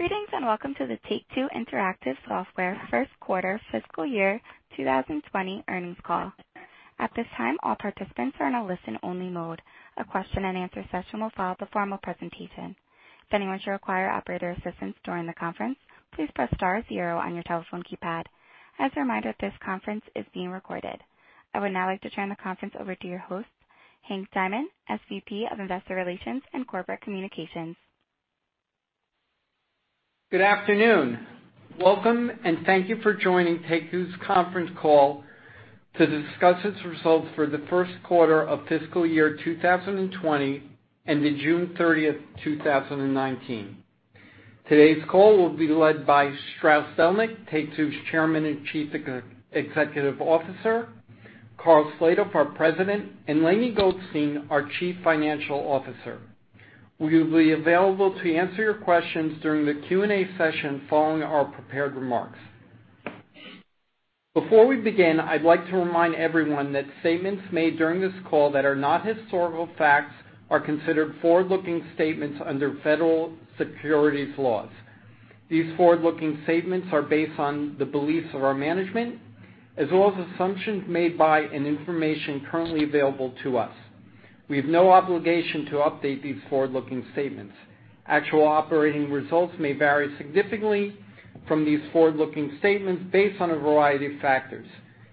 Greetings, welcome to the Take-Two Interactive Software first quarter fiscal year 2020 earnings call. At this time, all participants are in a listen only mode. A question and answer session will follow the formal presentation. If anyone should require operator assistance during the conference, please press star zero on your telephone keypad. As a reminder, this conference is being recorded. I would now like to turn the conference over to your host, Henry Diamond, SVP of Investor Relations and Corporate Communications. Good afternoon. Welcome and thank you for joining Take-Two's conference call to discuss its results for the first quarter of fiscal year 2020 ended June 30th, 2019. Today's call will be led by Strauss Zelnick, Take-Two's Chairman and Chief Executive Officer, Karl Slatoff, our President, and Lainie Goldstein, our Chief Financial Officer, who will be available to answer your questions during the Q&A session following our prepared remarks. Before we begin, I'd like to remind everyone that statements made during this call that are not historical facts are considered forward-looking statements under federal securities laws. These forward-looking statements are based on the beliefs of our management, as well as assumptions made by and information currently available to us. We have no obligation to update these forward-looking statements. Actual operating results may vary significantly from these forward-looking statements based on a variety of factors.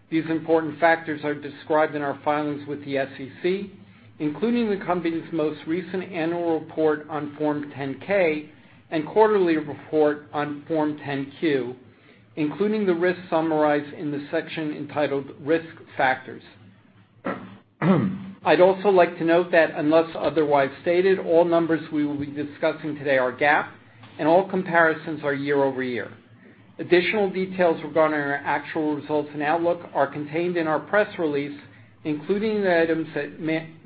These important factors are described in our filings with the SEC, including the company's most recent annual report on Form 10-K and quarterly report on Form 10-Q, including the risks summarized in the section entitled Risk Factors. I'd also like to note that unless otherwise stated, all numbers we will be discussing today are GAAP and all comparisons are year-over-year. Additional details regarding our actual results and outlook are contained in our press release, including the items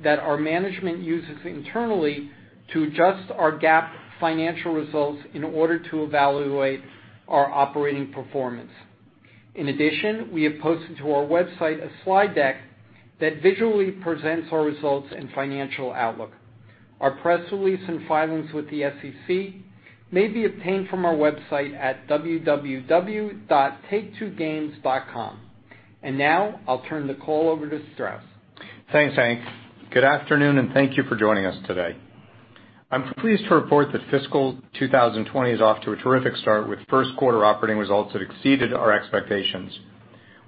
that our management uses internally to adjust our GAAP financial results in order to evaluate our operating performance. In addition, we have posted to our website a slide deck that visually presents our results and financial outlook. Our press release and filings with the SEC may be obtained from our website at www.take2games.com. Now I'll turn the call over to Strauss. Thanks, Hank. Good afternoon. Thank you for joining us today. I'm pleased to report that fiscal 2020 is off to a terrific start with first quarter operating results that exceeded our expectations.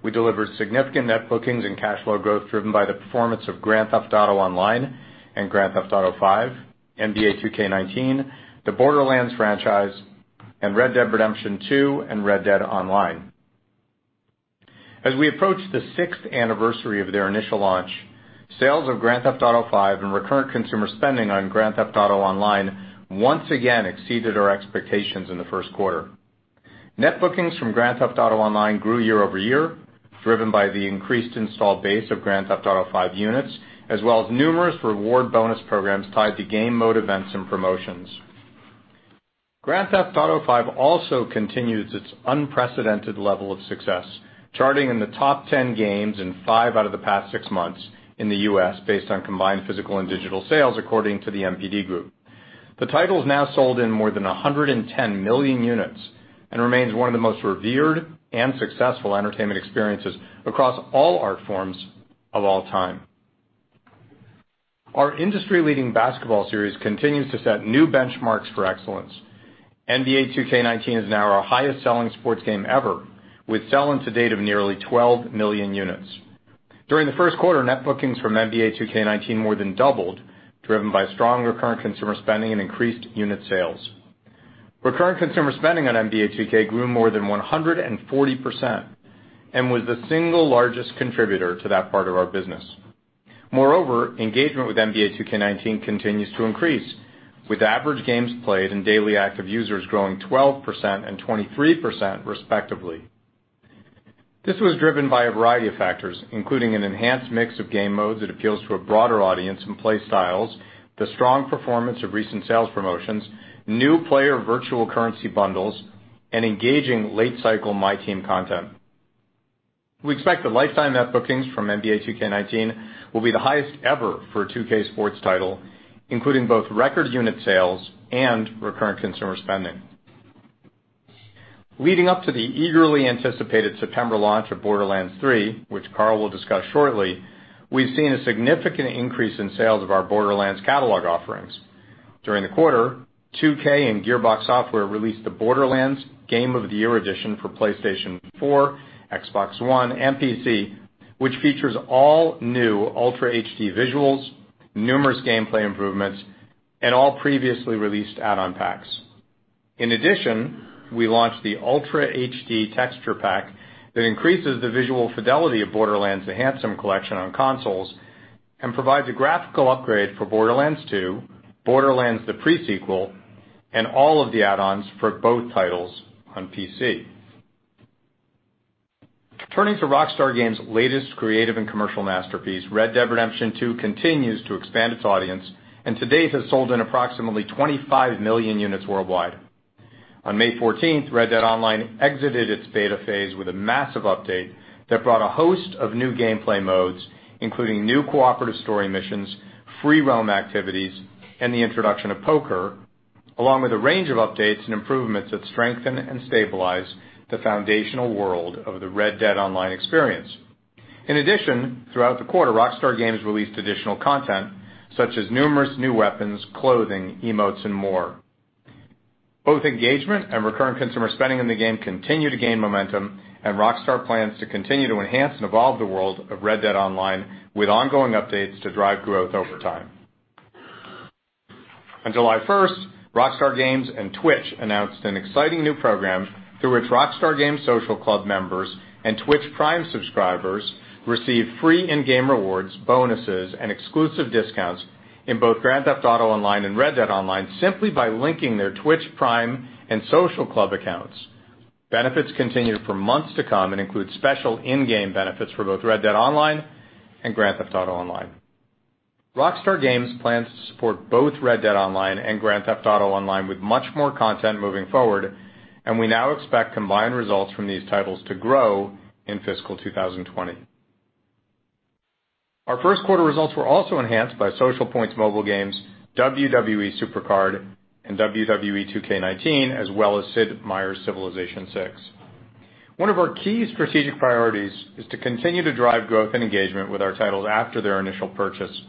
We delivered significant net bookings and cash flow growth driven by the performance of Grand Theft Auto Online and Grand Theft Auto V, NBA 2K19, the Borderlands franchise, and Red Dead Redemption 2, and Red Dead Online. As we approach the sixth anniversary of their initial launch, sales of Grand Theft Auto V and recurrent consumer spending on Grand Theft Auto Online once again exceeded our expectations in the first quarter. Net bookings from Grand Theft Auto Online grew year-over-year, driven by the increased install base of Grand Theft Auto V units, as well as numerous reward bonus programs tied to game mode events and promotions. Grand Theft Auto V also continues its unprecedented level of success, charting in the top 10 games in five out of the past six months in the U.S. based on combined physical and digital sales according to the NPD Group. The title has now sold in more than 110 million units and remains one of the most revered and successful entertainment experiences across all art forms of all time. Our industry-leading basketball series continues to set new benchmarks for excellence. NBA 2K19 is now our highest selling sports game ever, with sell-ins to date of nearly 12 million units. During the first quarter, net bookings from NBA 2K19 more than doubled, driven by strong recurrent consumer spending and increased unit sales. Recurrent consumer spending on NBA 2K grew more than 140% and was the single largest contributor to that part of our business. Moreover, engagement with NBA 2K19 continues to increase, with average games played and daily active users growing 12% and 23% respectively. This was driven by a variety of factors, including an enhanced mix of game modes that appeals to a broader audience and play styles, the strong performance of recent sales promotions, new player virtual currency bundles, and engaging late cycle MyTeam content. We expect the lifetime net bookings from NBA 2K19 will be the highest ever for a 2K sports title, including both record unit sales and recurrent consumer spending. Leading up to the eagerly anticipated September launch of Borderlands 3, which Karl will discuss shortly, we've seen a significant increase in sales of our Borderlands catalog offerings. During the quarter, 2K and Gearbox Software released the Borderlands Game of the Year Edition for PlayStation 4, Xbox One, and PC, which features all new Ultra HD visuals, numerous gameplay improvements, and all previously released add-on packs. In addition, we launched the Ultra HD Texture Pack that increases the visual fidelity of Borderlands: The Handsome Collection on consoles and provides a graphical upgrade for Borderlands 2, Borderlands: The Pre-Sequel, and all of the add-ons for both titles on PC. Turning to Rockstar Games' latest creative and commercial masterpiece, Red Dead Redemption 2 continues to expand its audience, and to date has sold in approximately 25 million units worldwide. On May 14th, Red Dead Online exited its beta phase with a massive update that brought a host of new gameplay modes, including new cooperative story missions, free roam activities, and the introduction of poker. Along with a range of updates and improvements that strengthen and stabilize the foundational world of the Red Dead Online experience. In addition, throughout the quarter, Rockstar Games released additional content such as numerous new weapons, clothing, emotes, and more. Both engagement and recurring consumer spending in the game continue to gain momentum, and Rockstar plans to continue to enhance and evolve the world of Red Dead Online with ongoing updates to drive growth over time. On July 1st, Rockstar Games and Twitch announced an exciting new program through which Rockstar Games Social Club members and Twitch Prime subscribers receive free in-game rewards, bonuses, and exclusive discounts in both "Grand Theft Auto Online" and "Red Dead Online," simply by linking their Twitch Prime and Social Club accounts. Benefits continue for months to come and include special in-game benefits for both "Red Dead Online" and "Grand Theft Auto Online." Rockstar Games plans to support both "Red Dead Online" and "Grand Theft Auto Online" with much more content moving forward. We now expect combined results from these titles to grow in fiscal 2020. Our first quarter results were also enhanced by Socialpoint's mobile games, "WWE SuperCard" and "WWE 2K19," as well as Sid Meier's "Civilization VI." One of our key strategic priorities is to continue to drive growth and engagement with our titles after their initial purchase.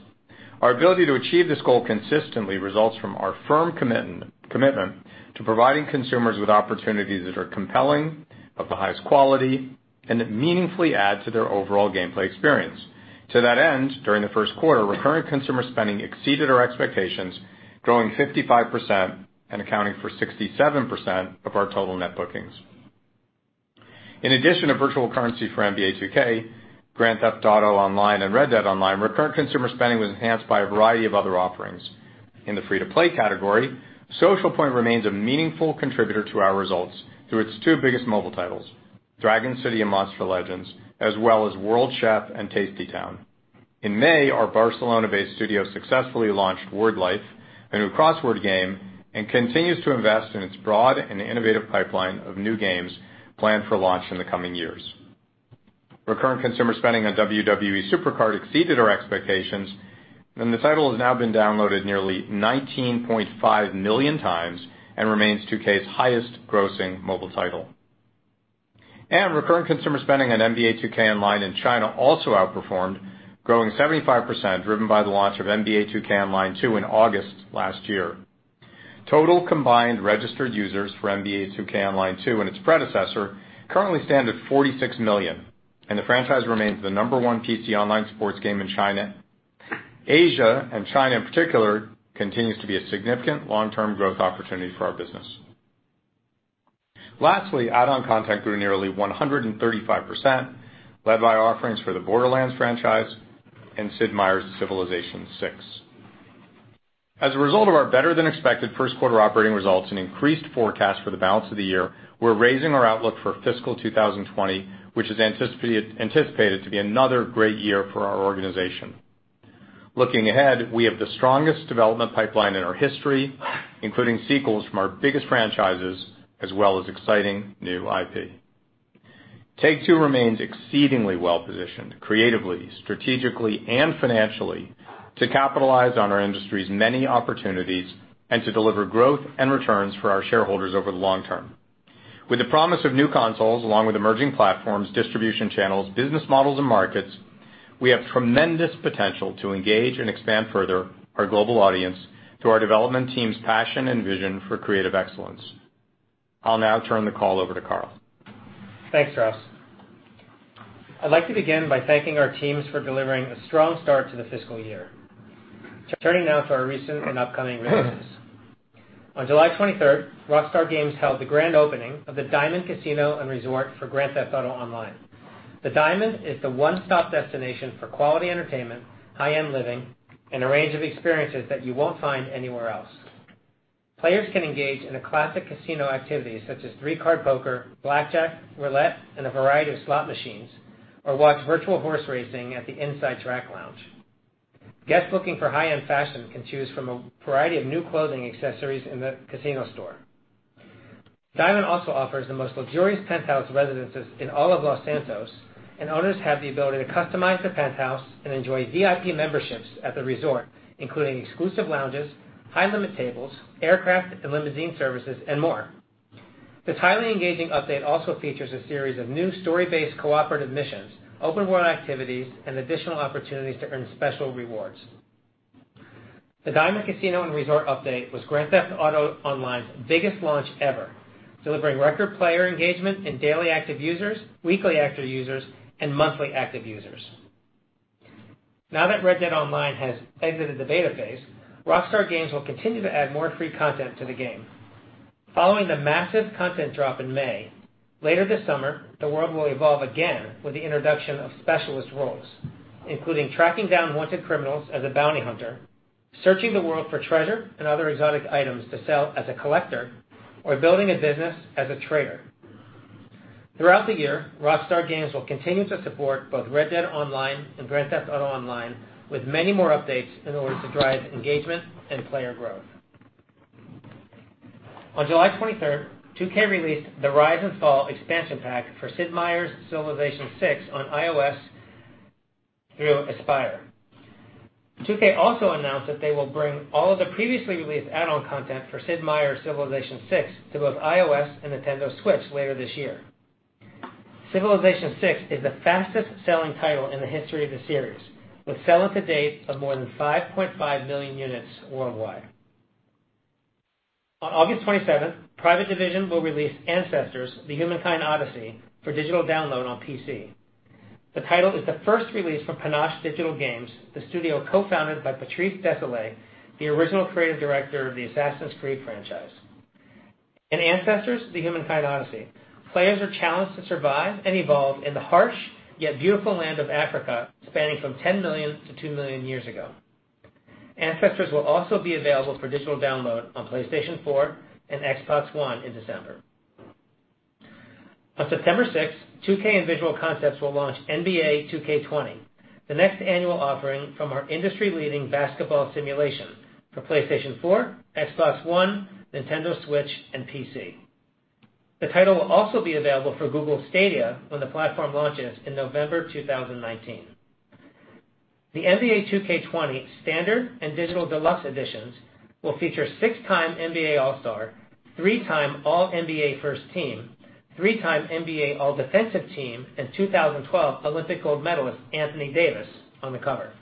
Our ability to achieve this goal consistently results from our firm commitment to providing consumers with opportunities that are compelling, of the highest quality, and that meaningfully add to their overall gameplay experience. To that end, during the first quarter, recurring consumer spending exceeded our expectations, growing 55% and accounting for 67% of our total net bookings. In addition to virtual currency for "NBA 2K," "Grand Theft Auto Online" and "Red Dead Online," recurring consumer spending was enhanced by a variety of other offerings. In the free-to-play category, Socialpoint remains a meaningful contributor to our results through its two biggest mobile titles, "Dragon City" and "Monster Legends," as well as "World Chef" and "Tasty Town." In May, our Barcelona-based studio successfully launched "Word Life," a new crossword game, and continues to invest in its broad and innovative pipeline of new games planned for launch in the coming years. Recurring consumer spending on "WWE SuperCard" exceeded our expectations, and the title has now been downloaded nearly 19.5 million times and remains 2K's highest-grossing mobile title. Recurring consumer spending on "NBA 2K Online" in China also outperformed, growing 75%, driven by the launch of "NBA 2K Online 2" in August last year. Total combined registered users for "NBA 2K Online 2" and its predecessor currently stand at 46 million, and the franchise remains the number one PC online sports game in China. Asia, and China in particular, continues to be a significant long-term growth opportunity for our business. Lastly, add-on content grew nearly 135%, led by offerings for the "Borderlands" franchise and Sid Meier's "Civilization VI." As a result of our better-than-expected first quarter operating results and increased forecast for the balance of the year, we're raising our outlook for fiscal 2020, which is anticipated to be another great year for our organization. Looking ahead, we have the strongest development pipeline in our history, including sequels from our biggest franchises, as well as exciting new IP. Take-Two remains exceedingly well-positioned creatively, strategically, and financially to capitalize on our industry's many opportunities and to deliver growth and returns for our shareholders over the long term. With the promise of new consoles, along with emerging platforms, distribution channels, business models, and markets, we have tremendous potential to engage and expand further our global audience through our development team's passion and vision for creative excellence. I'll now turn the call over to Karl. Thanks, Strauss. I'd like to begin by thanking our teams for delivering a strong start to the fiscal year. Turning now to our recent and upcoming releases. On July 23rd, Rockstar Games held the grand opening of The Diamond Casino & Resort for Grand Theft Auto Online. The Diamond is the one-stop destination for quality entertainment, high-end living, and a range of experiences that you won't find anywhere else. Players can engage in classic casino activities such as three card poker, blackjack, roulette, and a variety of slot machines, or watch virtual horse racing at the inside track lounge. Guests looking for high-end fashion can choose from a variety of new clothing accessories in the casino store. Diamond also offers the most luxurious penthouse residences in all of Los Santos, owners have the ability to customize the penthouse and enjoy VIP memberships at the resort, including exclusive lounges, high-limit tables, aircraft and limousine services, and more. This highly engaging update also features a series of new story-based cooperative missions, open-world activities, and additional opportunities to earn special rewards. The Diamond Casino & Resort update was "Grand Theft Auto Online's" biggest launch ever, delivering record player engagement in daily active users, weekly active users, and monthly active users. Now that "Red Dead Online" has exited the beta phase, Rockstar Games will continue to add more free content to the game. Following the massive content drop in May, later this summer, the world will evolve again with the introduction of specialist roles, including tracking down wanted criminals as a bounty hunter, searching the world for treasure and other exotic items to sell as a collector, or building a business as a trader. Throughout the year, Rockstar Games will continue to support both Red Dead Online and Grand Theft Auto Online with many more updates in order to drive engagement and player growth. On July 23rd, 2K released the Rise and Fall expansion pack for Sid Meier's Civilization VI on iOS through Aspyr. 2K also announced that they will bring all of the previously released add-on content for Sid Meier's Civilization VI to both iOS and Nintendo Switch later this year. Civilization VI is the fastest-selling title in the history of the series, with sell to date of more than 5.5 million units worldwide. On August 27th, Private Division will release Ancestors: The Humankind Odyssey for digital download on PC. The title is the first release from Panache Digital Games, the studio co-founded by Patrice Désilets, the original creative director of the Assassin's Creed franchise. In Ancestors: The Humankind Odyssey, players are challenged to survive and evolve in the harsh yet beautiful land of Africa, spanning from 10 million to 2 million years ago. Ancestors will also be available for digital download on PlayStation 4 and Xbox One in December. On September 6th, 2K and Visual Concepts will launch NBA 2K20, the next annual offering from our industry-leading basketball simulation for PlayStation 4, Xbox One, Nintendo Switch, and PC. The title will also be available for Google Stadia when the platform launches in November 2019. The NBA 2K20 standard and digital deluxe editions will feature six-time NBA All-Star, three-time All-NBA First Team, three-time NBA All-Defensive Team, and 2012 Olympic gold medalist Anthony Davis on the cover.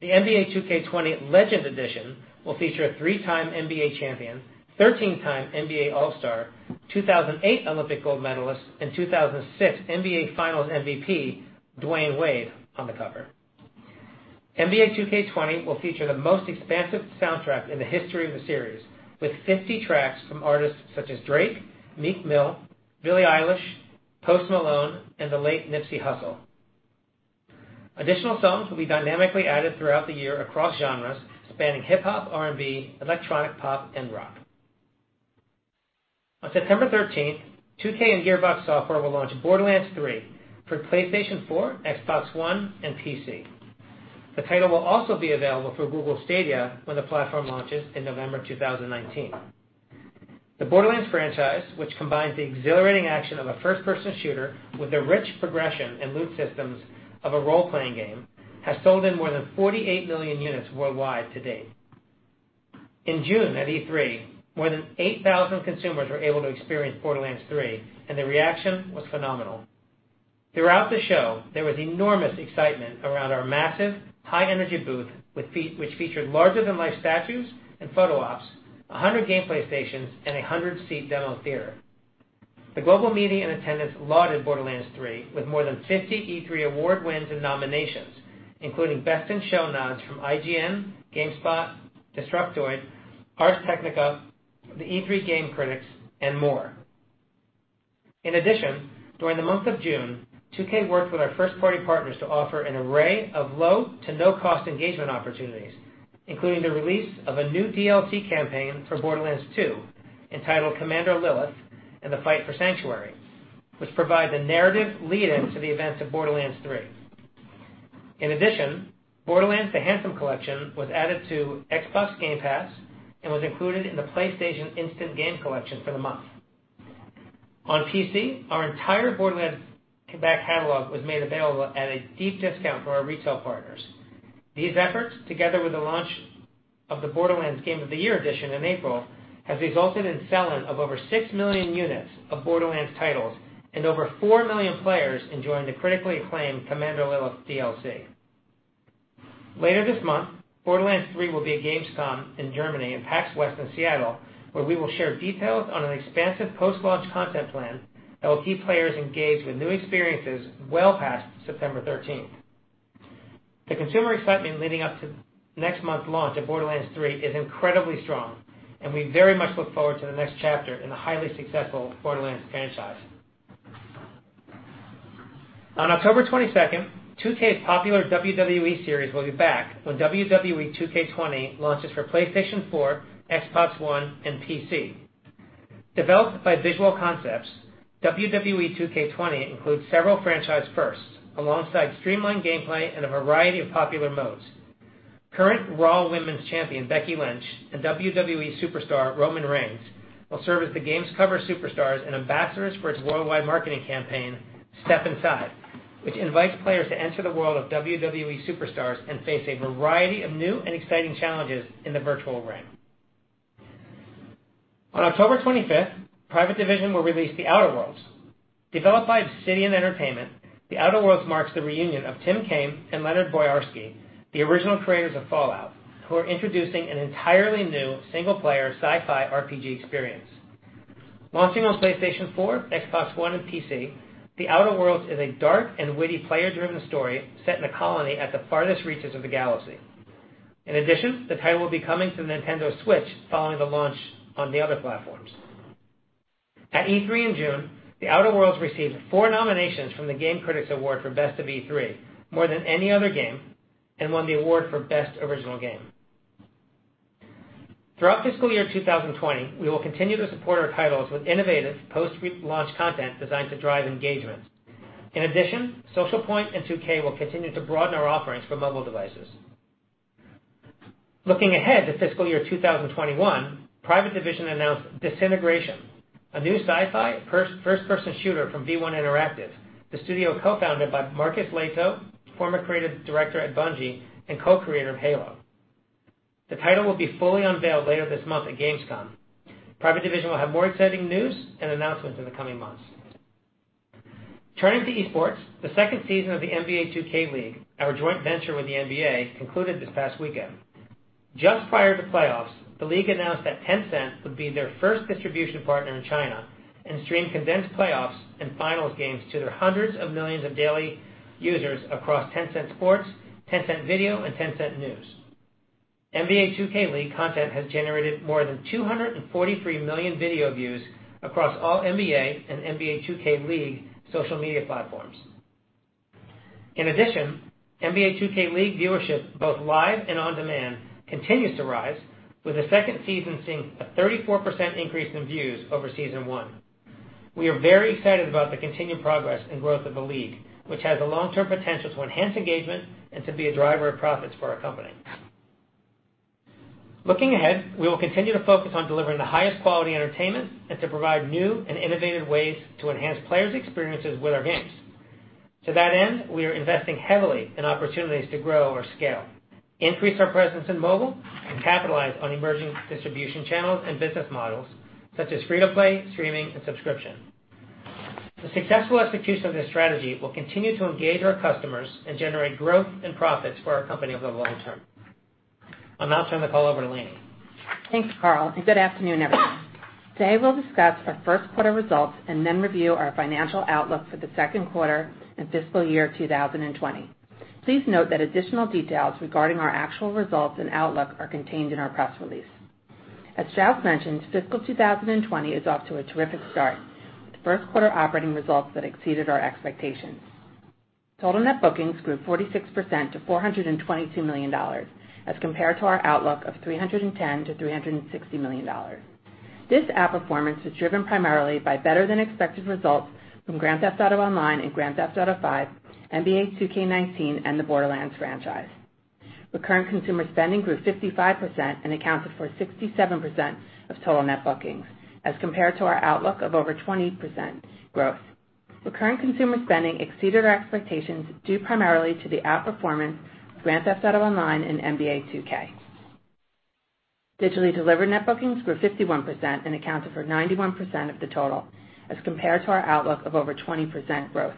The NBA 2K20 Legend Edition will feature three-time NBA champion, 13-time NBA All-Star, 2008 Olympic gold medalist, and 2006 NBA Finals MVP Dwyane Wade on the cover. NBA 2K20 will feature the most expansive soundtrack in the history of the series, with 50 tracks from artists such as Drake, Meek Mill, Billie Eilish, Post Malone, and the late Nipsey Hussle. Additional songs will be dynamically added throughout the year across genres spanning hip-hop, R&B, electronic, pop, and rock. On September 13th, 2K and Gearbox Software will launch Borderlands 3 for PlayStation 4, Xbox One, and PC. The title will also be available for Google Stadia when the platform launches in November 2019. The Borderlands franchise, which combines the exhilarating action of a first-person shooter with the rich progression and loot systems of a role-playing game, has sold in more than 48 million units worldwide to date. In June at E3, more than 8,000 consumers were able to experience Borderlands 3, and the reaction was phenomenal. Throughout the show, there was enormous excitement around our massive, high-energy booth, which featured larger-than-life statues and photo ops, 100 gameplay stations, and 100-seat demo theater. The global media in attendance lauded Borderlands 3 with more than 50 E3 award wins and nominations, including best in show nods from IGN, GameSpot, Destructoid, Ars Technica, the E3 Game Critics, and more. In addition, during the month of June, 2K worked with our first-party partners to offer an array of low to no-cost engagement opportunities, including the release of a new DLC campaign for Borderlands 2, entitled Commander Lilith and the Fight for Sanctuary, which provide the narrative lead-in to the events of Borderlands 3. In addition, Borderlands: The Handsome Collection was added to Xbox Game Pass and was included in the PlayStation Instant Game Collection for the month. On PC, our entire Borderlands back catalog was made available at a deep discount for our retail partners. These efforts, together with the launch of the Borderlands: Game of the Year Edition in April, have resulted in selling of over 6 million units of Borderlands titles and over 4 million players enjoying the critically acclaimed Commander Lilith DLC. Later this month, Borderlands 3 will be at Gamescom in Germany and PAX West in Seattle, where we will share details on an expansive post-launch content plan that will keep players engaged with new experiences well past September 13th. The consumer excitement leading up to next month's launch of Borderlands 3 is incredibly strong, and we very much look forward to the next chapter in the highly successful Borderlands franchise. On October 22nd, 2K's popular WWE series will be back when WWE 2K20 launches for PlayStation 4, Xbox One, and PC. Developed by Visual Concepts, WWE 2K20 includes several franchise firsts, alongside streamlined gameplay and a variety of popular modes. Current Raw Women's Champion Becky Lynch and WWE Superstar Roman Reigns will serve as the game's cover superstars and ambassadors for its worldwide marketing campaign, Step Inside, which invites players to enter the world of WWE superstars and face a variety of new and exciting challenges in the virtual ring. On October 25th, Private Division will release The Outer Worlds. Developed by Obsidian Entertainment, The Outer Worlds marks the reunion of Tim Cain and Leonard Boyarsky, the original creators of Fallout, who are introducing an entirely new single-player sci-fi RPG experience. Launching on PlayStation 4, Xbox One, and PC, The Outer Worlds is a dark and witty player-driven story set in a colony at the farthest reaches of the galaxy. In addition, the title will be coming to Nintendo Switch following the launch on the other platforms. At E3 in June, The Outer Worlds received four nominations from the Game Critics Award for Best of E3, more than any other game, and won the award for Best Original Game. Throughout fiscal year 2020, we will continue to support our titles with innovative post-launch content designed to drive engagement. In addition, Socialpoint and 2K will continue to broaden our offerings for mobile devices. Looking ahead to fiscal year 2021, Private Division announced Disintegration, a new sci-fi first-person shooter from V1 Interactive, the studio co-founded by Marcus Lehto, former creative director at Bungie and co-creator of Halo. The title will be fully unveiled later this month at Gamescom. Private Division will have more exciting news and announcements in the coming months. Turning to esports, the second season of the NBA 2K League, our joint venture with the NBA, concluded this past weekend. Just prior to playoffs, the league announced that Tencent would be their first distribution partner in China and stream condensed playoffs and finals games to their hundreds of millions of daily users across Tencent Sports, Tencent Video, and Tencent News. NBA 2K League content has generated more than 243 million video views across all NBA and NBA 2K League social media platforms. In addition, NBA 2K League viewership, both live and on-demand, continues to rise, with the second season seeing a 34% increase in views over season one. We are very excited about the continued progress and growth of the league, which has the long-term potential to enhance engagement and to be a driver of profits for our company. Looking ahead, we will continue to focus on delivering the highest quality entertainment and to provide new and innovative ways to enhance players' experiences with our games. To that end, we are investing heavily in opportunities to grow our scale, increase our presence in mobile, and capitalize on emerging distribution channels and business models such as free-to-play, streaming, and subscription. The successful execution of this strategy will continue to engage our customers and generate growth and profits for our company over the long term. I'll now turn the call over to Lainie. Thanks, Karl, and good afternoon, everyone. Today, we'll discuss our first quarter results and then review our financial outlook for the second quarter and fiscal year 2020. Please note that additional details regarding our actual results and outlook are contained in our press release. As Strauss mentioned, fiscal 2020 is off to a terrific start, with first quarter operating results that exceeded our expectations. Total net bookings grew 46% to $422 million, as compared to our outlook of $310 million-$360 million. This outperformance was driven primarily by better than expected results from Grand Theft Auto Online and Grand Theft Auto V, NBA 2K19, and the Borderlands franchise. Recurrent consumer spending grew 55% and accounted for 67% of total net bookings as compared to our outlook of over 20% growth. Recurrent consumer spending exceeded our expectations due primarily to the outperformance of Grand Theft Auto Online and NBA 2K. Digitally delivered net bookings grew 51% and accounted for 91% of the total as compared to our outlook of over 20% growth.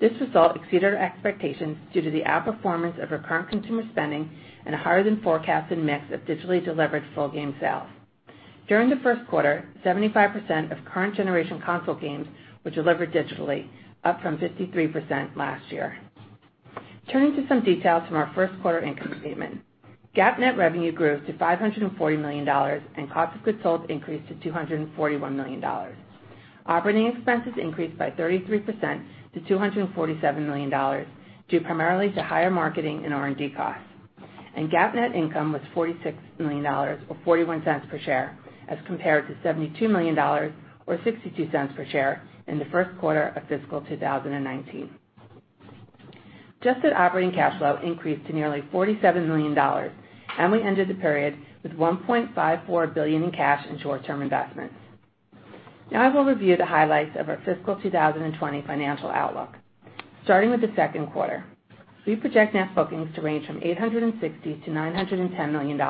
This result exceeded our expectations due to the outperformance of recurrent consumer spending and a higher than forecasted mix of digitally delivered full game sales. During the first quarter, 75% of current generation console games were delivered digitally, up from 53% last year. Turning to some details from our first quarter income statement. GAAP net revenue grew to $540 million, and cost of goods sold increased to $241 million. Operating expenses increased by 33% to $247 million, due primarily to higher marketing and R&D costs. GAAP net income was $46 million, or $0.41 per share, as compared to $72 million, or $0.62 per share in the first quarter of fiscal 2019. Adjusted operating cash flow increased to nearly $47 million. We ended the period with $1.54 billion in cash and short-term investments. I will review the highlights of our fiscal 2020 financial outlook. Starting with the second quarter. We project net bookings to range from $860 million-$910 million,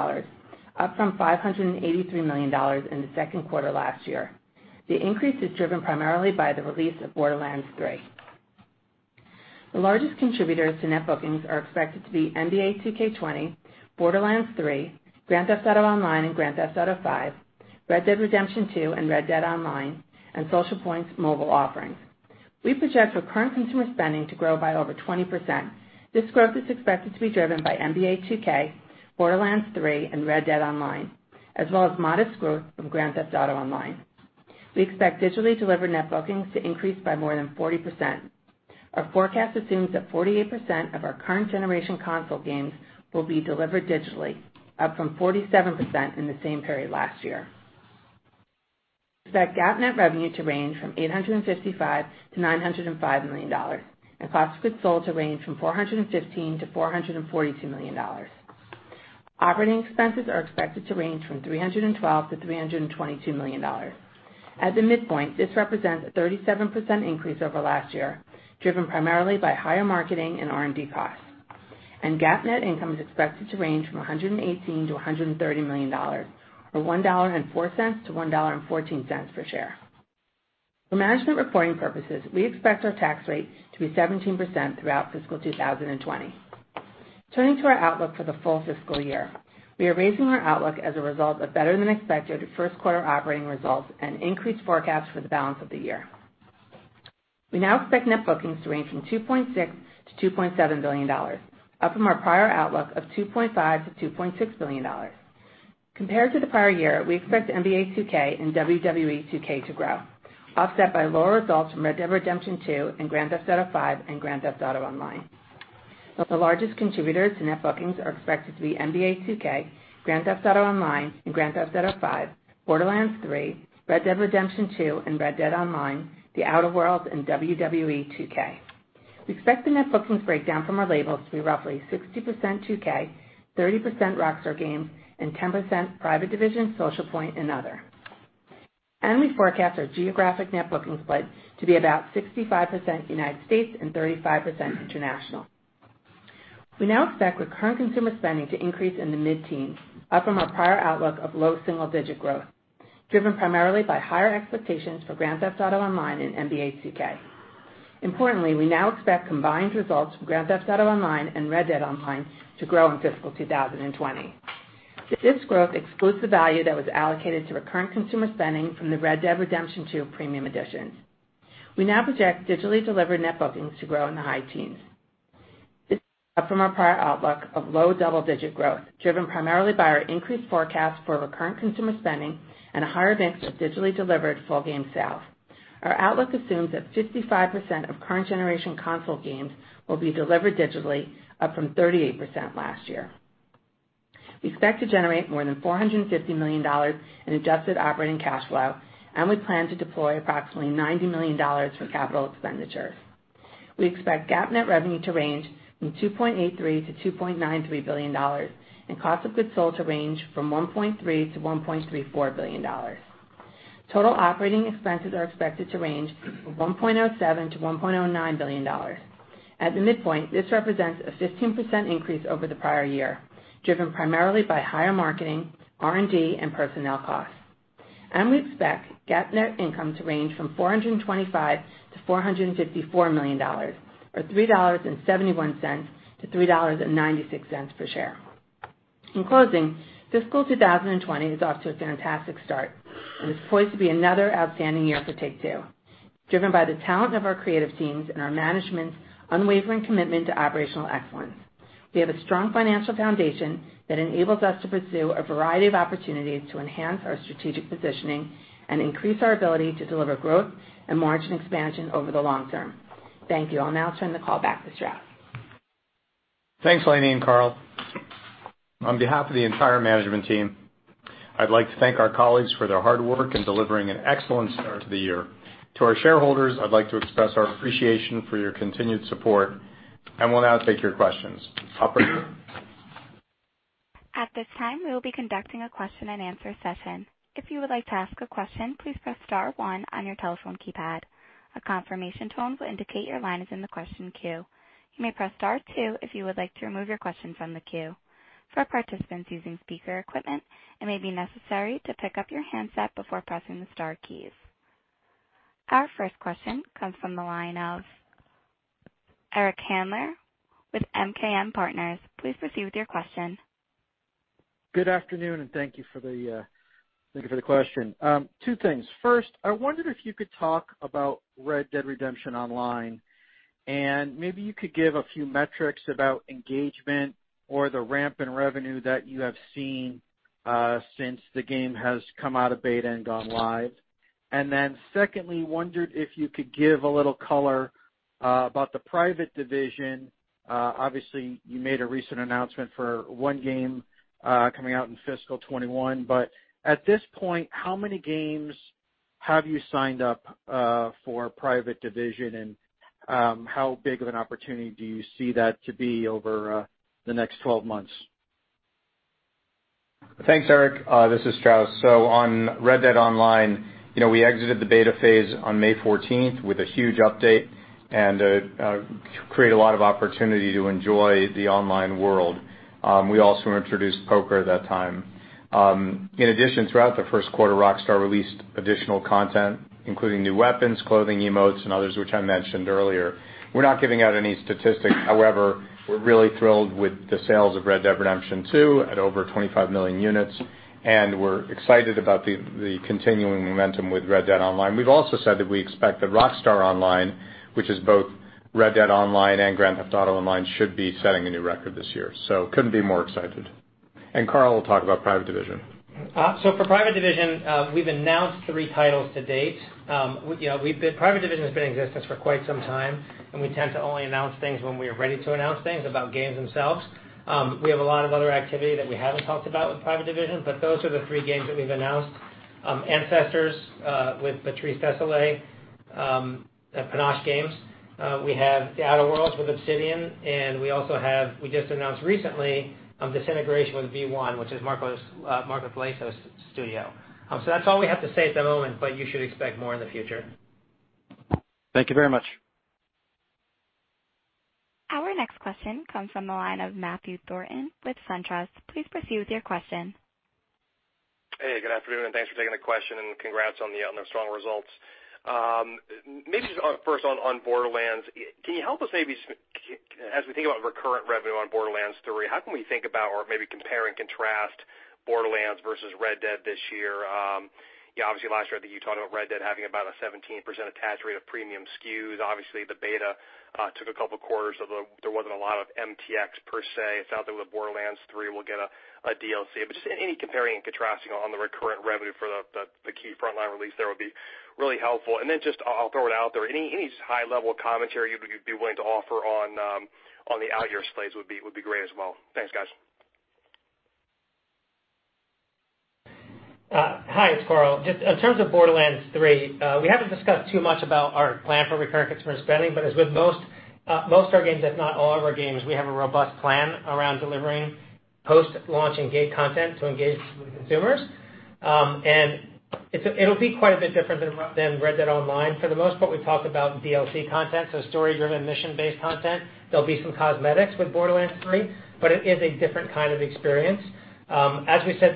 up from $583 million in the second quarter last year. The increase is driven primarily by the release of Borderlands 3. The largest contributors to net bookings are expected to be NBA 2K20, Borderlands 3, Grand Theft Auto Online and Grand Theft Auto V, Red Dead Redemption 2 and Red Dead Online, and Social Point's mobile offerings. We project recurrent consumer spending to grow by over 20%. This growth is expected to be driven by NBA 2K, Borderlands 3, and Red Dead Online, as well as modest growth from Grand Theft Auto Online. We expect digitally delivered net bookings to increase by more than 40%. Our forecast assumes that 48% of our current generation console games will be delivered digitally, up from 47% in the same period last year. We expect GAAP net revenue to range from $855 million-$905 million and cost of goods sold to range from $415 million-$442 million. Operating expenses are expected to range from $312 million-$322 million. At the midpoint, this represents a 37% increase over last year, driven primarily by higher marketing and R&D costs. GAAP net income is expected to range from $118 million-$130 million, or $1.04-$1.14 per share. For management reporting purposes, we expect our tax rate to be 17% throughout fiscal 2020. Turning to our outlook for the full fiscal year. We are raising our outlook as a result of better than expected first quarter operating results and increased forecasts for the balance of the year. We now expect net bookings to range from $2.6 billion-$2.7 billion, up from our prior outlook of $2.5 billion-$2.6 billion. Compared to the prior year, we expect NBA 2K and WWE 2K to grow, offset by lower results from Red Dead Redemption 2 and Grand Theft Auto V and Grand Theft Auto Online. The largest contributors to net bookings are expected to be NBA 2K, Grand Theft Auto Online and Grand Theft Auto V, Borderlands 3, Red Dead Redemption 2 and Red Dead Online, The Outer Worlds, and WWE 2K. We expect the net bookings breakdown from our labels to be roughly 60% 2K, 30% Rockstar Games, and 10% Private Division, Socialpoint, and other. We forecast our geographic net bookings split to be about 65% United States and 35% international. We now expect recurrent consumer spending to increase in the mid-teens, up from our prior outlook of low single-digit growth, driven primarily by higher expectations for Grand Theft Auto Online and NBA 2K. Importantly, we now expect combined results from Grand Theft Auto Online and Red Dead Online to grow in fiscal 2020. This growth excludes the value that was allocated to recurrent consumer spending from the Red Dead Redemption 2 premium editions. We now project digitally delivered net bookings to grow in the high teens. This is up from our prior outlook of low double-digit growth, driven primarily by our increased forecast for recurrent consumer spending and a higher mix of digitally delivered full game sales. Our outlook assumes that 55% of current generation console games will be delivered digitally, up from 38% last year. We expect to generate more than $450 million in adjusted operating cash flow, and we plan to deploy approximately $90 million for capital expenditures. We expect GAAP net revenue to range from $2.83 billion to $2.93 billion and cost of goods sold to range from $1.3 billion to $1.34 billion. Total operating expenses are expected to range from $1.07 billion to $1.09 billion. At the midpoint, this represents a 15% increase over the prior year, driven primarily by higher marketing, R&D, and personnel costs. We expect GAAP net income to range from $425 million to $454 million or $3.71 to $3.96 per share. In closing, fiscal 2020 is off to a fantastic start and is poised to be another outstanding year for Take-Two, driven by the talent of our creative teams and our management's unwavering commitment to operational excellence. We have a strong financial foundation that enables us to pursue a variety of opportunities to enhance our strategic positioning and increase our ability to deliver growth and margin expansion over the long term. Thank you. I'll now turn the call back to Strauss. Thanks, Lainie and Karl. On behalf of the entire management team, I'd like to thank our colleagues for their hard work in delivering an excellent start to the year. To our shareholders, I'd like to express our appreciation for your continued support. We'll now take your questions. Operator? At this time, we will be conducting a question and answer session. If you would like to ask a question, please press star one on your telephone keypad. A confirmation tone will indicate your line is in the question queue. You may press star two if you would like to remove your question from the queue. For participants using speaker equipment, it may be necessary to pick up your handset before pressing the star keys. Our first question comes from the line of Eric Handler with MKM Partners. Please proceed with your question. Good afternoon, thank you for the question. Two things. First, I wondered if you could talk about Red Dead Redemption Online, and maybe you could give a few metrics about engagement or the ramp in revenue that you have seen since the game has come out of beta and gone live. Secondly, wondered if you could give a little color about the Private Division. Obviously, you made a recent announcement for one game coming out in fiscal 2021, but at this point, how many games have you signed up for Private Division, and how big of an opportunity do you see that to be over the next 12 months? Thanks, Eric. This is Strauss. On "Red Dead Online," we exited the beta phase on May 14th with a huge update and created a lot of opportunity to enjoy the online world. We also introduced poker at that time. In addition, throughout the first quarter, Rockstar released additional content, including new weapons, clothing, emotes, and others, which I mentioned earlier. We're not giving out any statistics. We're really thrilled with the sales of "Red Dead Redemption 2" at over 25 million units, and we're excited about the continuing momentum with "Red Dead Online." We've also said that we expect that "Rockstar Online," which is both "Red Dead Online" and "Grand Theft Auto Online," should be setting a new record this year. I couldn't be more excited. Karl will talk about Private Division. For Private Division, we've announced three titles to date. Private Division has been in existence for quite some time, and we tend to only announce things when we are ready to announce things about games themselves. We have a lot of other activity that we haven't talked about with Private Division, but those are the three games that we've announced. Ancestors with Patrice Désilets at Panache Digital Games. We have The Outer Worlds with Obsidian, and we just announced recently Disintegration with V1, which is Marcus Lehto's studio. That's all we have to say at the moment, but you should expect more in the future. Thank you very much. Our next question comes from the line of Matthew Thornton with SunTrust. Please proceed with your question. Hey, good afternoon, thanks for taking the question, congrats on the strong results. First on "Borderlands," can you help us, as we think about recurrent revenue on "Borderlands 3," how can we think about or compare and contrast "Borderlands" versus "Red Dead" this year? Last year, I think you talked about "Red Dead" having about a 17% attach rate of premium SKUs. The beta took a couple quarters, so there wasn't a lot of MTX per se. It's out there with "Borderlands 3." We'll get a DLC, just any comparing and contrasting on the recurrent revenue for the key frontline release there would be really helpful. Just, I'll throw it out there. Any high level commentary you'd be willing to offer on the out-year plays would be great as well. Thanks, guys. Hi, it's Karl. Just in terms of Borderlands 3, we haven't discussed too much about our plan for recurring customer spending. As with most of our games, if not all of our games, we have a robust plan around delivering post-launch engage content to engage with consumers. It'll be quite a bit different than Red Dead Online. For the most part, we've talked about DLC content, so story-driven, mission-based content. There'll be some cosmetics with Borderlands 3, but it is a different kind of experience. As we said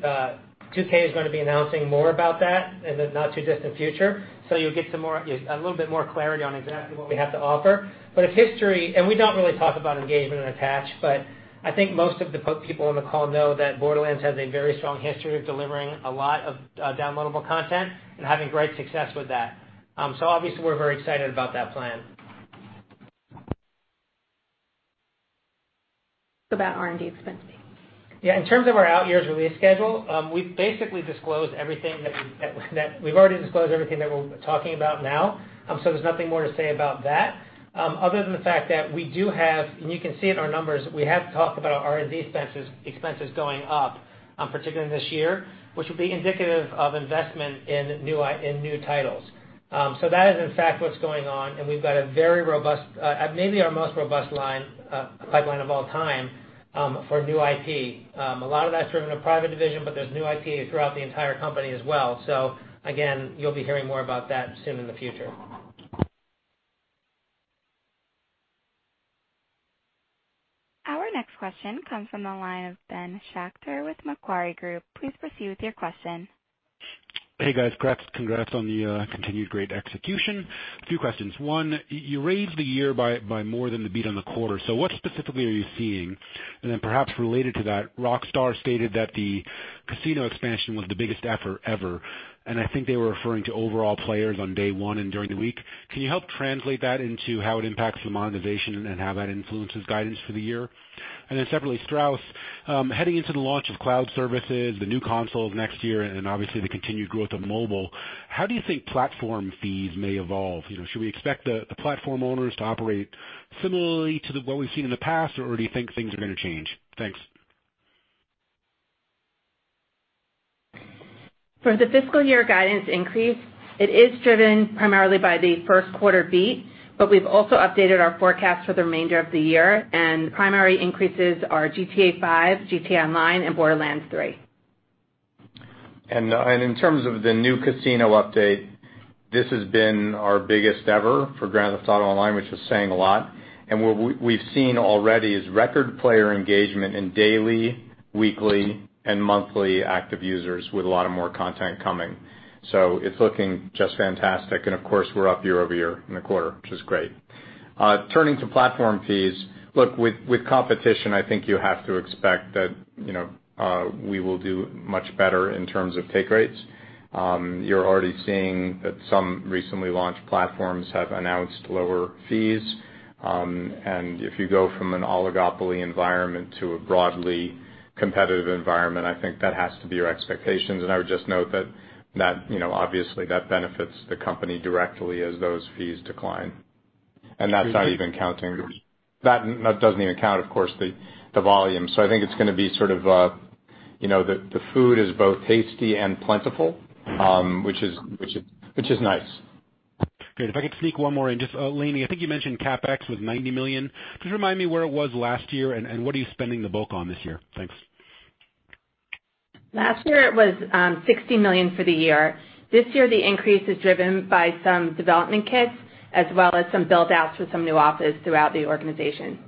before, 2K is going to be announcing more about that in the not too distant future. You'll get a little bit more clarity on exactly what we have to offer. If history, and we don't really talk about engagement and attach, but I think most of the people on the call know that Borderlands has a very strong history of delivering a lot of downloadable content and having great success with that. Obviously, we're very excited about that plan. About R&D expenses. In terms of our out years release schedule, we've already disclosed everything that we're talking about now. There's nothing more to say about that, other than the fact that we do have, and you can see it in our numbers, we have talked about our R&D expenses going up, particularly this year, which would be indicative of investment in new titles. That is, in fact, what's going on, and we've got a very robust, maybe our most robust line, pipeline of all time for new IP. A lot of that's driven a Private Division, there's new IP throughout the entire company as well. Again, you'll be hearing more about that soon in the future. Our next question comes from the line of Ben Schachter with Macquarie Group. Please proceed with your question. Hey, guys. Congrats on the continued great execution. A few questions. One, you raised the year by more than the beat on the quarter. What specifically are you seeing? Perhaps related to that, Rockstar Games stated that the casino expansion was the biggest ever, and I think they were referring to overall players on day one and during the week. Can you help translate that into how it impacts the monetization and how that influences guidance for the year? Separately, Strauss, heading into the launch of cloud services, the new consoles next year, and obviously the continued growth of mobile, how do you think platform fees may evolve? Should we expect the platform owners to operate similarly to what we've seen in the past, or do you think things are going to change? Thanks. For the fiscal year guidance increase, it is driven primarily by the first quarter beat, but we've also updated our forecast for the remainder of the year, and primary increases are GTA V, GTA Online and Borderlands 3. In terms of the new casino update, this has been our biggest ever for Grand Theft Auto Online, which is saying a lot. What we've seen already is record player engagement in daily, weekly, and monthly active users with a lot of more content coming. It's looking just fantastic. Of course, we're up year-over-year in the quarter, which is great. Turning to platform fees, look, with competition, I think you have to expect that we will do much better in terms of take rates. You're already seeing that some recently launched platforms have announced lower fees. If you go from an oligopoly environment to a broadly competitive environment, I think that has to be your expectations. I would just note that obviously that benefits the company directly as those fees decline. That doesn't even count, of course, the volume. I think it's going to be sort of the food is both tasty and plentiful, which is nice. Great. If I could sneak one more in. Lainie, I think you mentioned CapEx was $90 million. Remind me where it was last year and what are you spending the bulk on this year? Thanks. Last year it was $60 million for the year. This year, the increase is driven by some development kits as well as some build-outs with some new offices throughout the organization.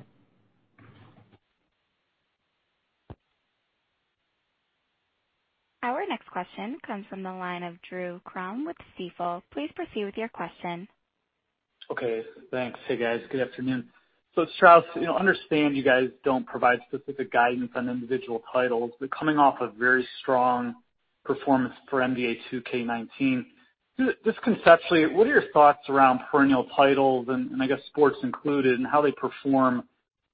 Our next question comes from the line of Drew Crum with Stifel. Please proceed with your question. Okay, thanks. Hey, guys. Good afternoon. Strauss, I understand you guys don't provide specific guidance on individual titles, but coming off a very strong performance for NBA 2K19, just conceptually, what are your thoughts around perennial titles, and I guess sports included, and how they perform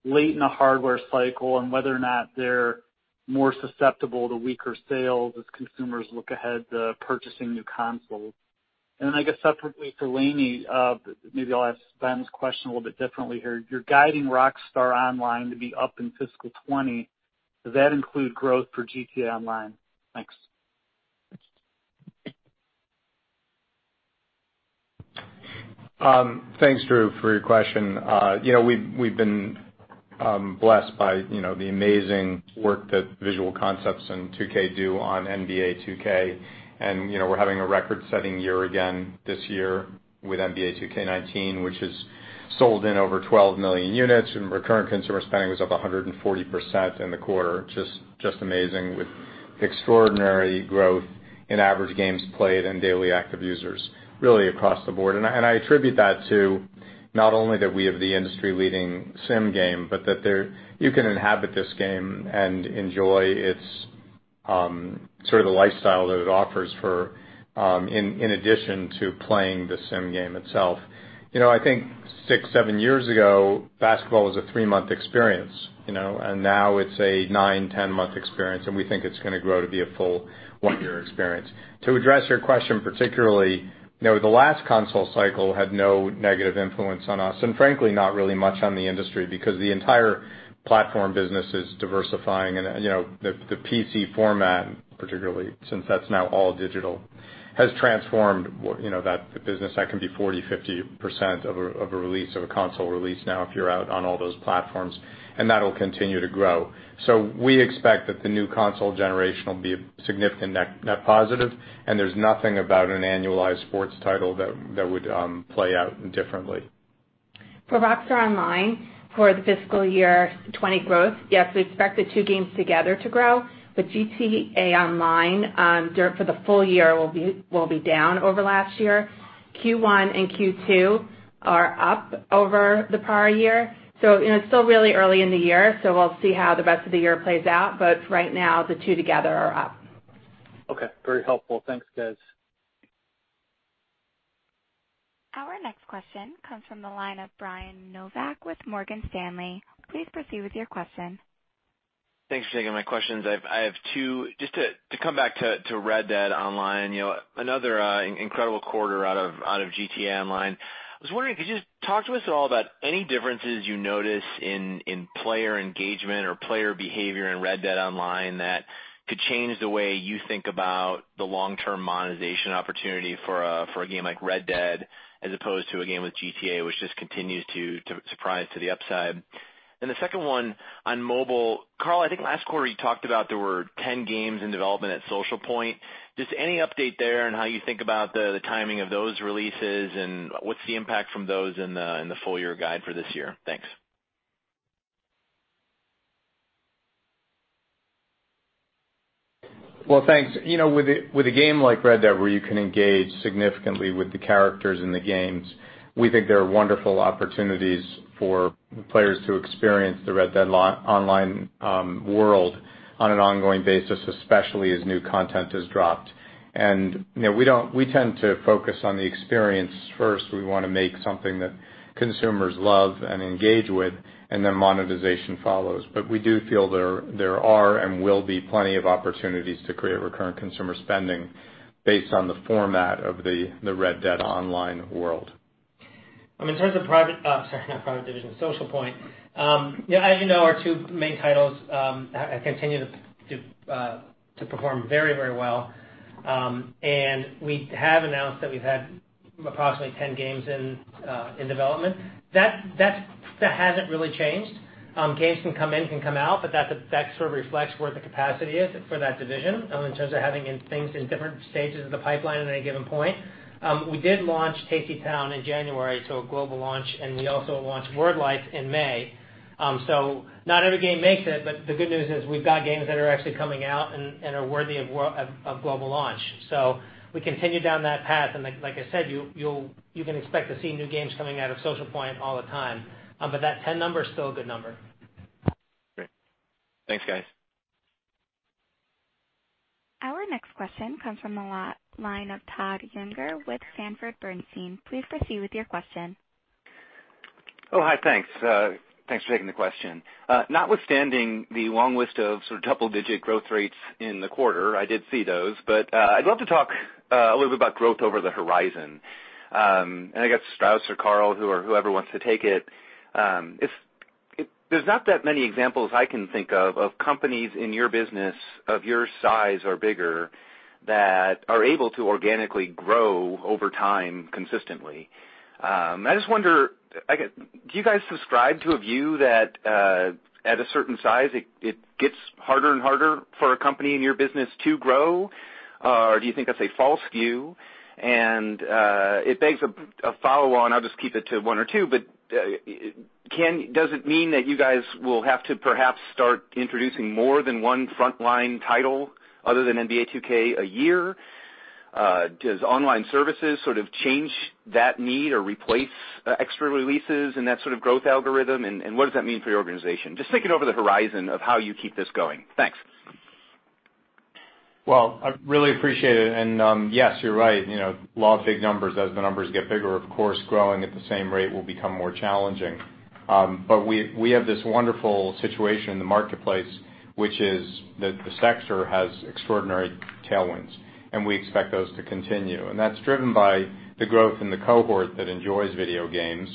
late in a hardware cycle and whether or not they're more susceptible to weaker sales as consumers look ahead to purchasing new consoles? I guess separately for Lainie, maybe I'll ask Ben's question a little bit differently here. You're guiding Rockstar Online to be up in fiscal 2020. Does that include growth for GTA Online? Thanks. Thanks, Drew, for your question. We've been blessed by the amazing work that Visual Concepts and 2K do on NBA 2K. We're having a record-setting year again this year with NBA 2K19, which has sold in over 12 million units, and recurring consumer spending was up 140% in the quarter. Just amazing with extraordinary growth in average games played and daily active users really across the board. I attribute that to not only that we have the industry-leading sim game, but that you can inhabit this game and enjoy its sort of the lifestyle that it offers in addition to playing the sim game itself. I think six, seven years ago, basketball was a three-month experience. Now it's a nine, 10-month experience, and we think it's going to grow to be a full one-year experience. To address your question particularly, the last console cycle had no negative influence on us, and frankly, not really much on the industry because the entire platform business is diversifying and the PC format, particularly, since that's now all digital, has transformed that business. That can be 40%, 50% of a console release now if you're out on all those platforms. That'll continue to grow. We expect that the new console generation will be a significant net positive, and there's nothing about an annualized sports title that would play out differently. For Rockstar Online, for the fiscal year 2020 growth, yes, we expect the two games together to grow, but GTA Online for the full year will be down over last year. Q1 and Q2 are up over the prior year. It's still really early in the year, so we'll see how the rest of the year plays out. Right now, the two together are up. Okay. Very helpful. Thanks, guys. Our next question comes from the line of Brian Nowak with Morgan Stanley. Please proceed with your question. Thanks for taking my questions. I have two. To come back to Red Dead Online, another incredible quarter out of GTA Online. I was wondering, could you just talk to us at all about any differences you notice in player engagement or player behavior in Red Dead Online that could change the way you think about the long-term monetization opportunity for a game like Red Dead, as opposed to a game like GTA, which just continues to surprise to the upside. The second one on mobile. Karl, I think last quarter you talked about there were 10 games in development at Social Point. Any update there on how you think about the timing of those releases and what's the impact from those in the full-year guide for this year? Thanks. Well, thanks. With a game like Red Dead where you can engage significantly with the characters in the games, we think there are wonderful opportunities for players to experience the Red Dead Online world on an ongoing basis, especially as new content is dropped. We tend to focus on the experience first. We want to make something that consumers love and engage with, and then monetization follows. We do feel there are and will be plenty of opportunities to create recurrent consumer spending based on the format of the Red Dead Online world. In terms of Socialpoint, as you know, our two main titles have continued to perform very well. We have announced that we've had approximately 10 games in development. That hasn't really changed. Games can come in, can come out, but that sort of reflects where the capacity is for that division in terms of having things in different stages of the pipeline at any given point. We did launch Tasty Town in January, so a global launch, and we also launched Word Life in May. Not every game makes it, but the good news is we've got games that are actually coming out and are worthy of global launch. We continue down that path, and like I said, you can expect to see new games coming out of Socialpoint all the time. That 10 number is still a good number. Great. Thanks, guys. Our next question comes from the line of Todd Juenger with Sanford Bernstein. Please proceed with your question. Oh, hi. Thanks. Thanks for taking the question. Notwithstanding the long list of sort of double-digit growth rates in the quarter, I did see those, but I'd love to talk a little bit about growth over the horizon. I guess Strauss or Karl, whoever wants to take it. There's not that many examples I can think of companies in your business of your size or bigger that are able to organically grow over time consistently. I just wonder, do you guys subscribe to a view that at a certain size it gets harder and harder for a company in your business to grow? Do you think that's a false view? It begs a follow-on, I'll just keep it to one or two, but does it mean that you guys will have to perhaps start introducing more than one frontline title other than NBA 2K a year? Does online services sort of change that need or replace extra releases and that sort of growth algorithm? What does that mean for your organization? Just thinking over the horizon of how you keep this going. Thanks. Well, I really appreciate it. Yes, you're right. Law of big numbers. As the numbers get bigger, of course, growing at the same rate will become more challenging. We have this wonderful situation in the marketplace, which is that the sector has extraordinary tailwinds, and we expect those to continue. That's driven by the growth in the cohort that enjoys video games.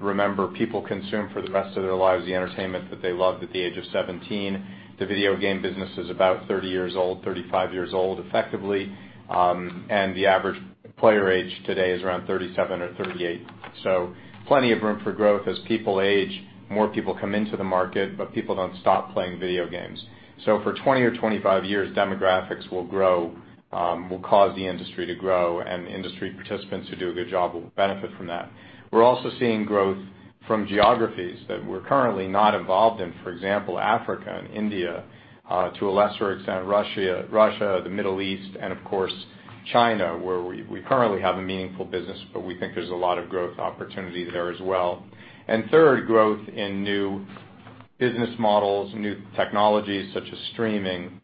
Remember, people consume for the rest of their lives the entertainment that they loved at the age of 17. The video game business is about 30 years old, 35 years old, effectively. The average player age today is around 37 or 38. Plenty of room for growth as people age. More people come into the market, but people don't stop playing video games. For 20 or 25 years, demographics will grow, will cause the industry to grow, and industry participants who do a good job will benefit from that. We're also seeing growth from geographies that we're currently not involved in, for example, Africa and India, to a lesser extent, Russia, the Middle East, and of course, China, where we currently have a meaningful business, but we think there's a lot of growth opportunity there as well. Third, growth in new business models, new technologies such as streaming,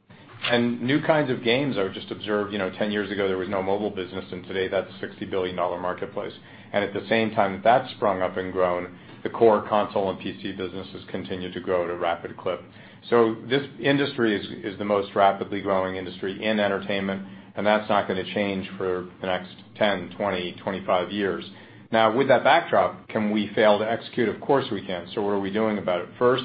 and new kinds of games are just observed. 10 years ago, there was no mobile business, and today that's a $60 billion marketplace. At the same time that that's sprung up and grown, the core console and PC businesses continue to grow at a rapid clip. This industry is the most rapidly growing industry in entertainment, and that's not going to change for the next 10, 20, 25 years. Now, with that backdrop, can we fail to execute? Of course, we can. What are we doing about it? First,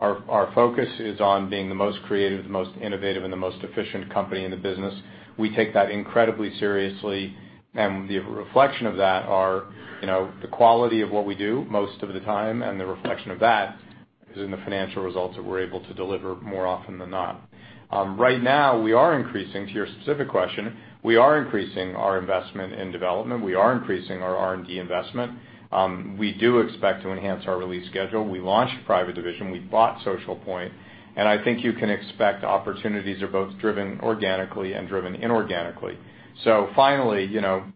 our focus is on being the most creative, the most innovative, and the most efficient company in the business. We take that incredibly seriously, and the reflection of that are the quality of what we do most of the time, and the reflection of that is in the financial results that we're able to deliver more often than not. Right now, we are increasing, to your specific question, we are increasing our investment in development. We are increasing our R&D investment. We do expect to enhance our release schedule. We launched Private Division, we bought Social Point, and I think you can expect opportunities are both driven organically and driven inorganically. Finally,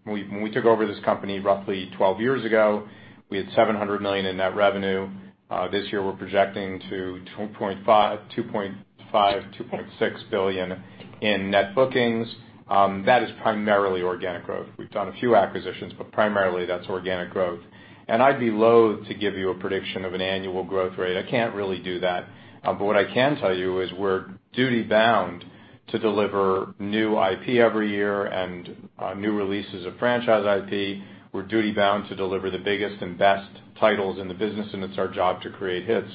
when we took over this company roughly 12 years ago, we had $700 million in net revenue. This year we're projecting to $2.5 billion-$2.6 billion in net bookings. That is primarily organic growth. We've done a few acquisitions, but primarily that's organic growth. I'd be loathe to give you a prediction of an annual growth rate. I can't really do that. What I can tell you is we're duty-bound to deliver new IP every year and new releases of franchise IP. We're duty-bound to deliver the biggest and best titles in the business, and it's our job to create hits.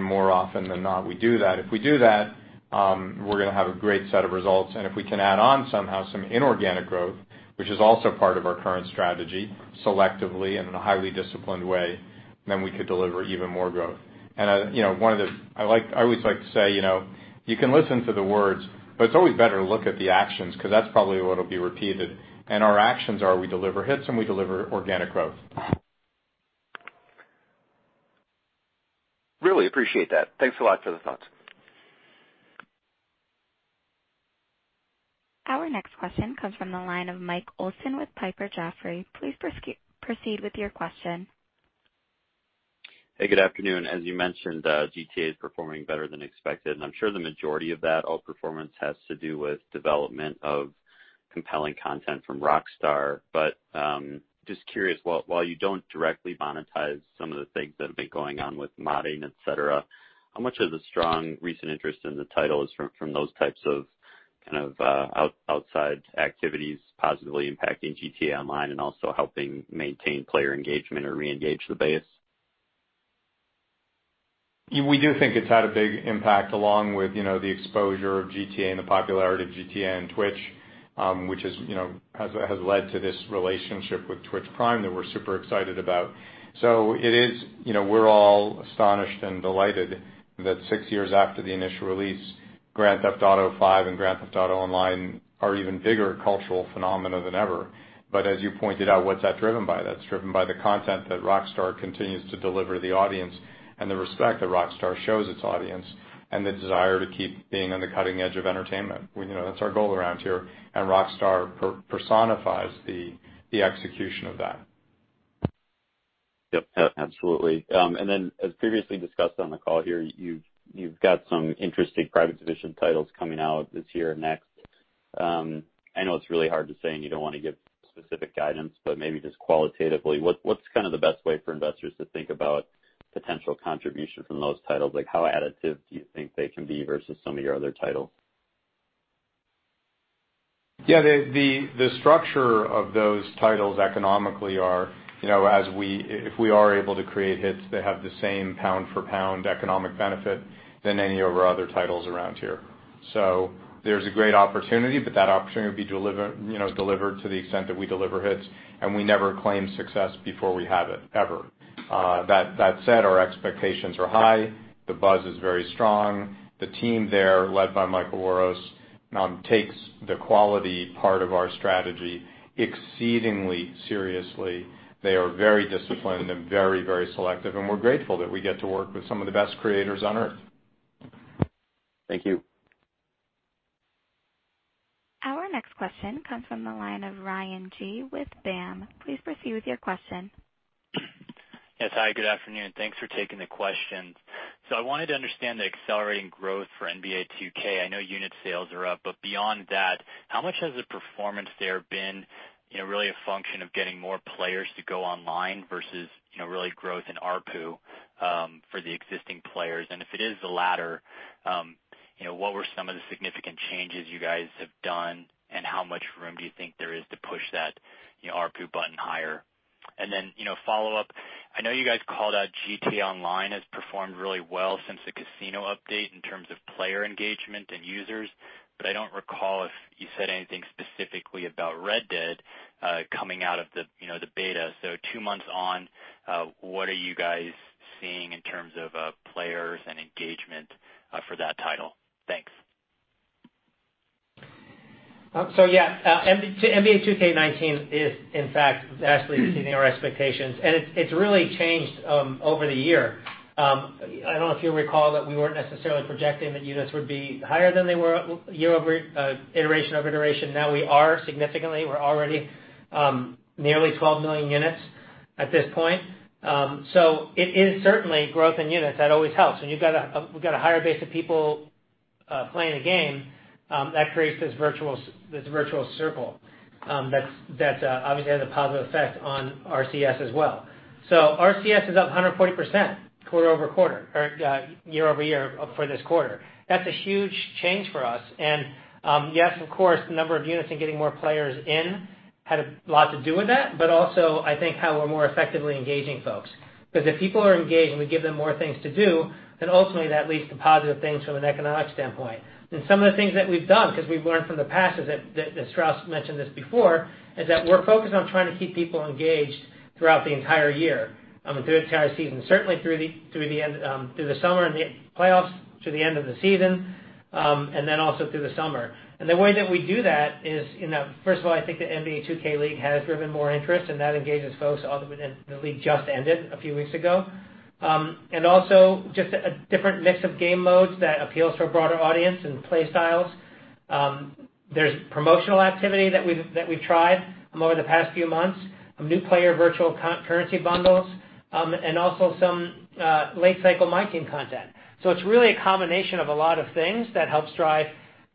More often than not, we do that. If we do that, we're going to have a great set of results. If we can add on somehow some inorganic growth, which is also part of our current strategy, selectively and in a highly disciplined way, then we could deliver even more growth. I always like to say, you can listen to the words, but it's always better to look at the actions, because that's probably what will be repeated. Our actions are we deliver hits and we deliver organic growth. Really appreciate that. Thanks a lot for the thoughts. Our next question comes from the line of Mike Olson with Piper Jaffray. Please proceed with your question. Hey, good afternoon. As you mentioned, GTA is performing better than expected, and I'm sure the majority of that outperformance has to do with development of compelling content from Rockstar. Just curious, while you don't directly monetize some of the things that have been going on with modding, et cetera, how much of the strong recent interest in the title is from those types of outside activities positively impacting GTA Online and also helping maintain player engagement or re-engage the base? We do think it's had a big impact along with the exposure of GTA and the popularity of GTA and Twitch, which has led to this relationship with Prime Gaming that we're super excited about. We're all astonished and delighted that six years after the initial release, Grand Theft Auto V and Grand Theft Auto Online are even bigger cultural phenomena than ever. As you pointed out, what's that driven by? That's driven by the content that Rockstar continues to deliver the audience, and the respect that Rockstar shows its audience, and the desire to keep being on the cutting edge of entertainment. That's our goal around here, and Rockstar personifies the execution of that. Yep, absolutely. As previously discussed on the call here, you've got some interesting Private Division titles coming out this year and next. I know it's really hard to say, and you don't want to give specific guidance, but maybe just qualitatively, what's the best way for investors to think about potential contribution from those titles? Like how additive do you think they can be versus some of your other titles? The structure of those titles economically are, if we are able to create hits that have the same pound-for-pound economic benefit than any of our other titles around here. There's a great opportunity, but that opportunity will be delivered to the extent that we deliver hits, and we never claim success before we have it, ever. That said, our expectations are high. The buzz is very strong. The team there, led by Michael Worosz, takes the quality part of our strategy exceedingly seriously. They are very disciplined and very selective, and we're grateful that we get to work with some of the best creators on Earth. Thank you. Our next question comes from the line of Ryan Gee with Barclays. Please proceed with your question. Yes, hi, good afternoon. Thanks for taking the questions. I wanted to understand the accelerating growth for NBA 2K. I know unit sales are up, but beyond that, how much has the performance there been really a function of getting more players to go online versus really growth in ARPU for the existing players? If it is the latter, what were some of the significant changes you guys have done, and how much room do you think there is to push that ARPU button higher? Follow-up, I know you guys called out GTA Online has performed really well since the casino update in terms of player engagement and users, but I don't recall if you said anything specifically about Red Dead coming out of the beta. Two months on, what are you guys seeing in terms of players and engagement for that title? Thanks. Yeah. NBA 2K19 is, in fact, vastly exceeding our expectations, and it's really changed over the year. I don't know if you recall that we weren't necessarily projecting that units would be higher than they were iteration over iteration. Now we are significantly. We're already nearly 12 million units at this point. It is certainly growth in units. That always helps. We've got a higher base of people playing a game, that creates this virtual circle that obviously has a positive effect on RCS as well. RCS is up 140% year-over-year for this quarter. That's a huge change for us. Yes, of course, the number of units and getting more players in had a lot to do with that. Also, I think how we're more effectively engaging folks. Because if people are engaged and we give them more things to do, then ultimately that leads to positive things from an economic standpoint. Some of the things that we've done, because we've learned from the past, as Strauss mentioned this before, is that we're focused on trying to keep people engaged throughout the entire year and through the entire season. Certainly through the summer and the playoffs, through the end of the season, and then also through the summer. The way that we do that is, first of all, I think the NBA 2K League has driven more interest, and that engages folks, although the league just ended a few weeks ago. Also just a different mix of game modes that appeals to a broader audience and play styles. There's promotional activity that we've tried over the past few months, some new player virtual currency bundles, and also some late cycle MyTEAM content. It's really a combination of a lot of things that helps drive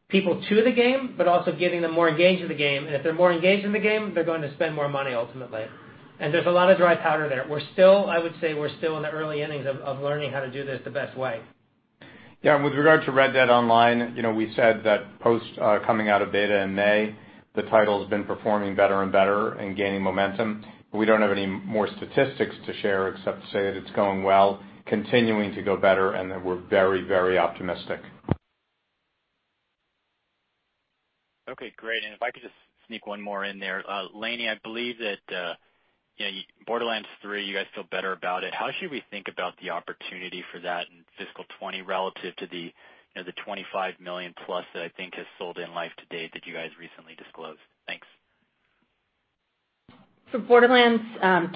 people to the game, but also getting them more engaged in the game. If they're more engaged in the game, they're going to spend more money ultimately. There's a lot of dry powder there. I would say we're still in the early innings of learning how to do this the best way. Yeah. With regard to Red Dead Online, we said that post coming out of beta in May, the title has been performing better and better and gaining momentum. We don't have any more statistics to share except to say that it's going well, continuing to go better, and that we're very optimistic. Okay, great. If I could just sneak one more in there. Lainie, I believe that Borderlands 3, you guys feel better about it. How should we think about the opportunity for that in fiscal 2020 relative to the 25 million units plus that I think has sold in life to date that you guys recently disclosed? Thanks. For Borderlands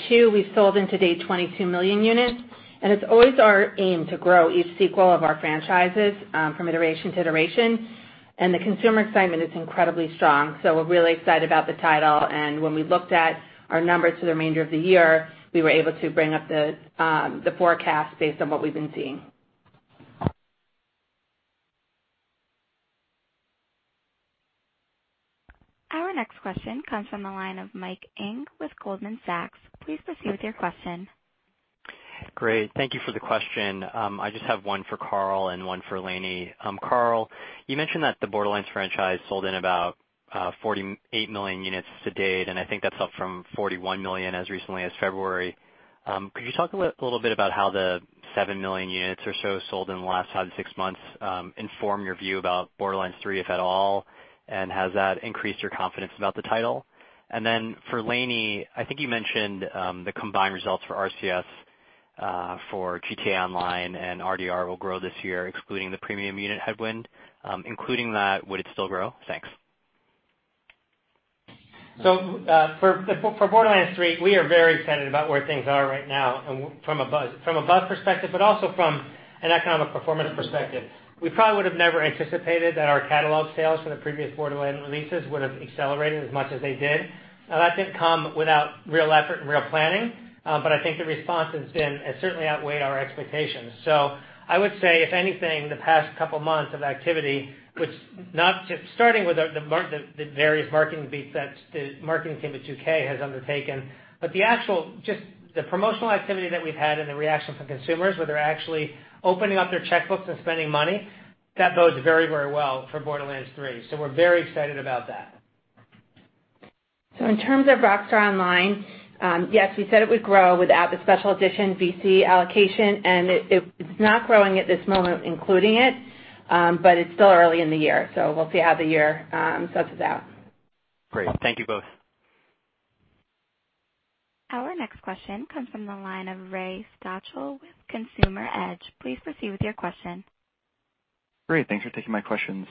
2, we've sold in to date 22 million units. It's always our aim to grow each sequel of our franchises from iteration to iteration. The consumer excitement is incredibly strong. We're really excited about the title. When we looked at our numbers for the remainder of the year, we were able to bring up the forecast based on what we've been seeing. Our next question comes from the line of Michael Ng with Goldman Sachs. Please proceed with your question. Great. Thank you for the question. I just have one for Karl and one for Lainie. Karl, you mentioned that the Borderlands franchise sold in about 48 million units to date, and I think that's up from 41 million as recently as February. Could you talk a little bit about how the seven million units or so sold in the last five to six months inform your view about Borderlands 3, if at all? Has that increased your confidence about the title? For Lainie, I think you mentioned the combined results for RCS for GTA Online and RDR will grow this year, excluding the premium unit headwind. Including that, would it still grow? Thanks. For Borderlands 3, we are very excited about where things are right now from a buzz perspective, but also from an economic performance perspective. We probably would have never anticipated that our catalog sales from the previous Borderlands releases would have accelerated as much as they did. Now, that didn't come without real effort and real planning. I think the response has certainly outweighed our expectations. I would say, if anything, the past couple of months of activity, starting with the various marketing beats that the marketing team at 2K has undertaken. The promotional activity that we've had and the reaction from consumers, where they're actually opening up their checkbooks and spending money, that bodes very well for Borderlands 3. We're very excited about that. In terms of Rockstar Online, yes, we said it would grow without the special edition VC allocation. It is not growing at this moment including it. It's still early in the year. We'll see how the year subs it out. Great. Thank you both. Our next question comes from the line of Ray Stochel with Consumer Edge. Please proceed with your question. Great. Thanks for taking my questions.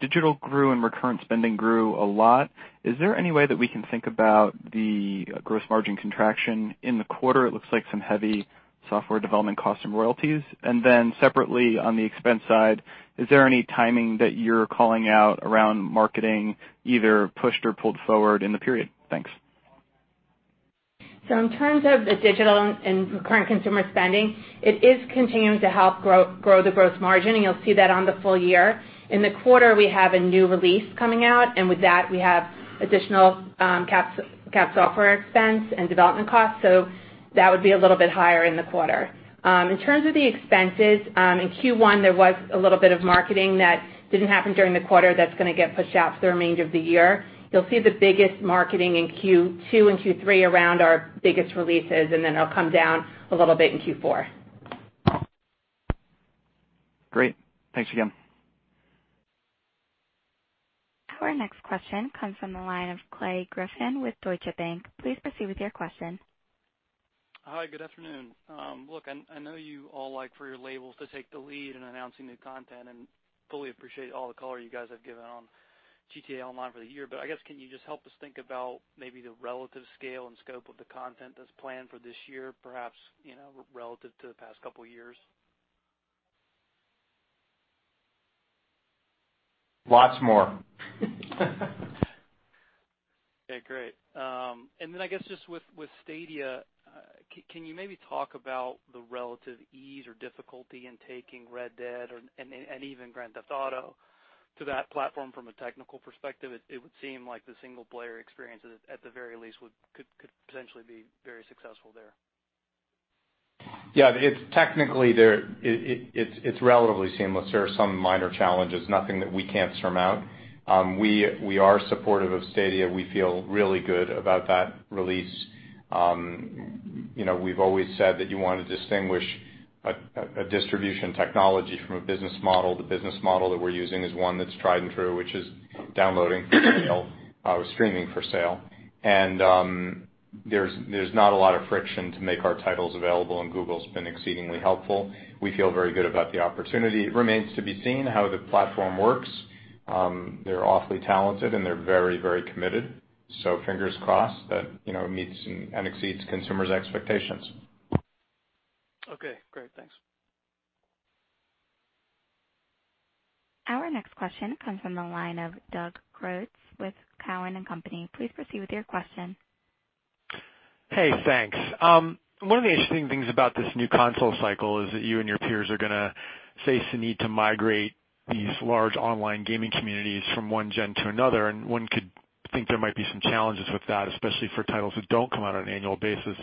Digital grew and recurrent spending grew a lot. Is there any way that we can think about the gross margin contraction in the quarter? It looks like some heavy software development cost and royalties. Separately on the expense side, is there any timing that you're calling out around marketing, either pushed or pulled forward in the period? Thanks. In terms of the digital and recurrent consumer spending, it is continuing to help grow the gross margin, and you'll see that on the full year. In the quarter, we have a new release coming out, and with that, we have additional capped software expense and development costs. That would be a little bit higher in the quarter. In terms of the expenses, in Q1 there was a little bit of marketing that didn't happen during the quarter that's going to get pushed out through the remainder of the year. You'll see the biggest marketing in Q2 and Q3 around our biggest releases, and then it'll come down a little bit in Q4. Great. Thanks again. Our next question comes from the line of Clay Griffin with Deutsche Bank. Please proceed with your question. Hi. Good afternoon. Look, I know you all like for your labels to take the lead in announcing new content, and fully appreciate all the color you guys have given on GTA Online for the year. I guess, can you just help us think about maybe the relative scale and scope of the content that's planned for this year, perhaps relative to the past couple of years? Lots more. Okay, great. I guess just with Stadia, can you maybe talk about the relative ease or difficulty in taking Red Dead or, and even Grand Theft Auto to that platform from a technical perspective? It would seem like the single player experience at the very least could potentially be very successful there. Yeah. Technically, it's relatively seamless. There are some minor challenges, nothing that we can't surmount. We are supportive of Stadia. We feel really good about that release. We've always said that you want to distinguish a distribution technology from a business model. The business model that we're using is one that's tried and true, which is downloading for sale or streaming for sale. There's not a lot of friction to make our titles available, and Google's been exceedingly helpful. We feel very good about the opportunity. It remains to be seen how the platform works. They're awfully talented and they're very committed, so fingers crossed that it meets and exceeds consumers' expectations. Okay, great. Thanks. Our next question comes from the line of Doug Creutz with Cowen and Company. Please proceed with your question. Hey, thanks. One of the interesting things about this new console cycle is that you and your peers are going to face the need to migrate these large online gaming communities from one gen to another. One could think there might be some challenges with that, especially for titles that don't come out on an annual basis.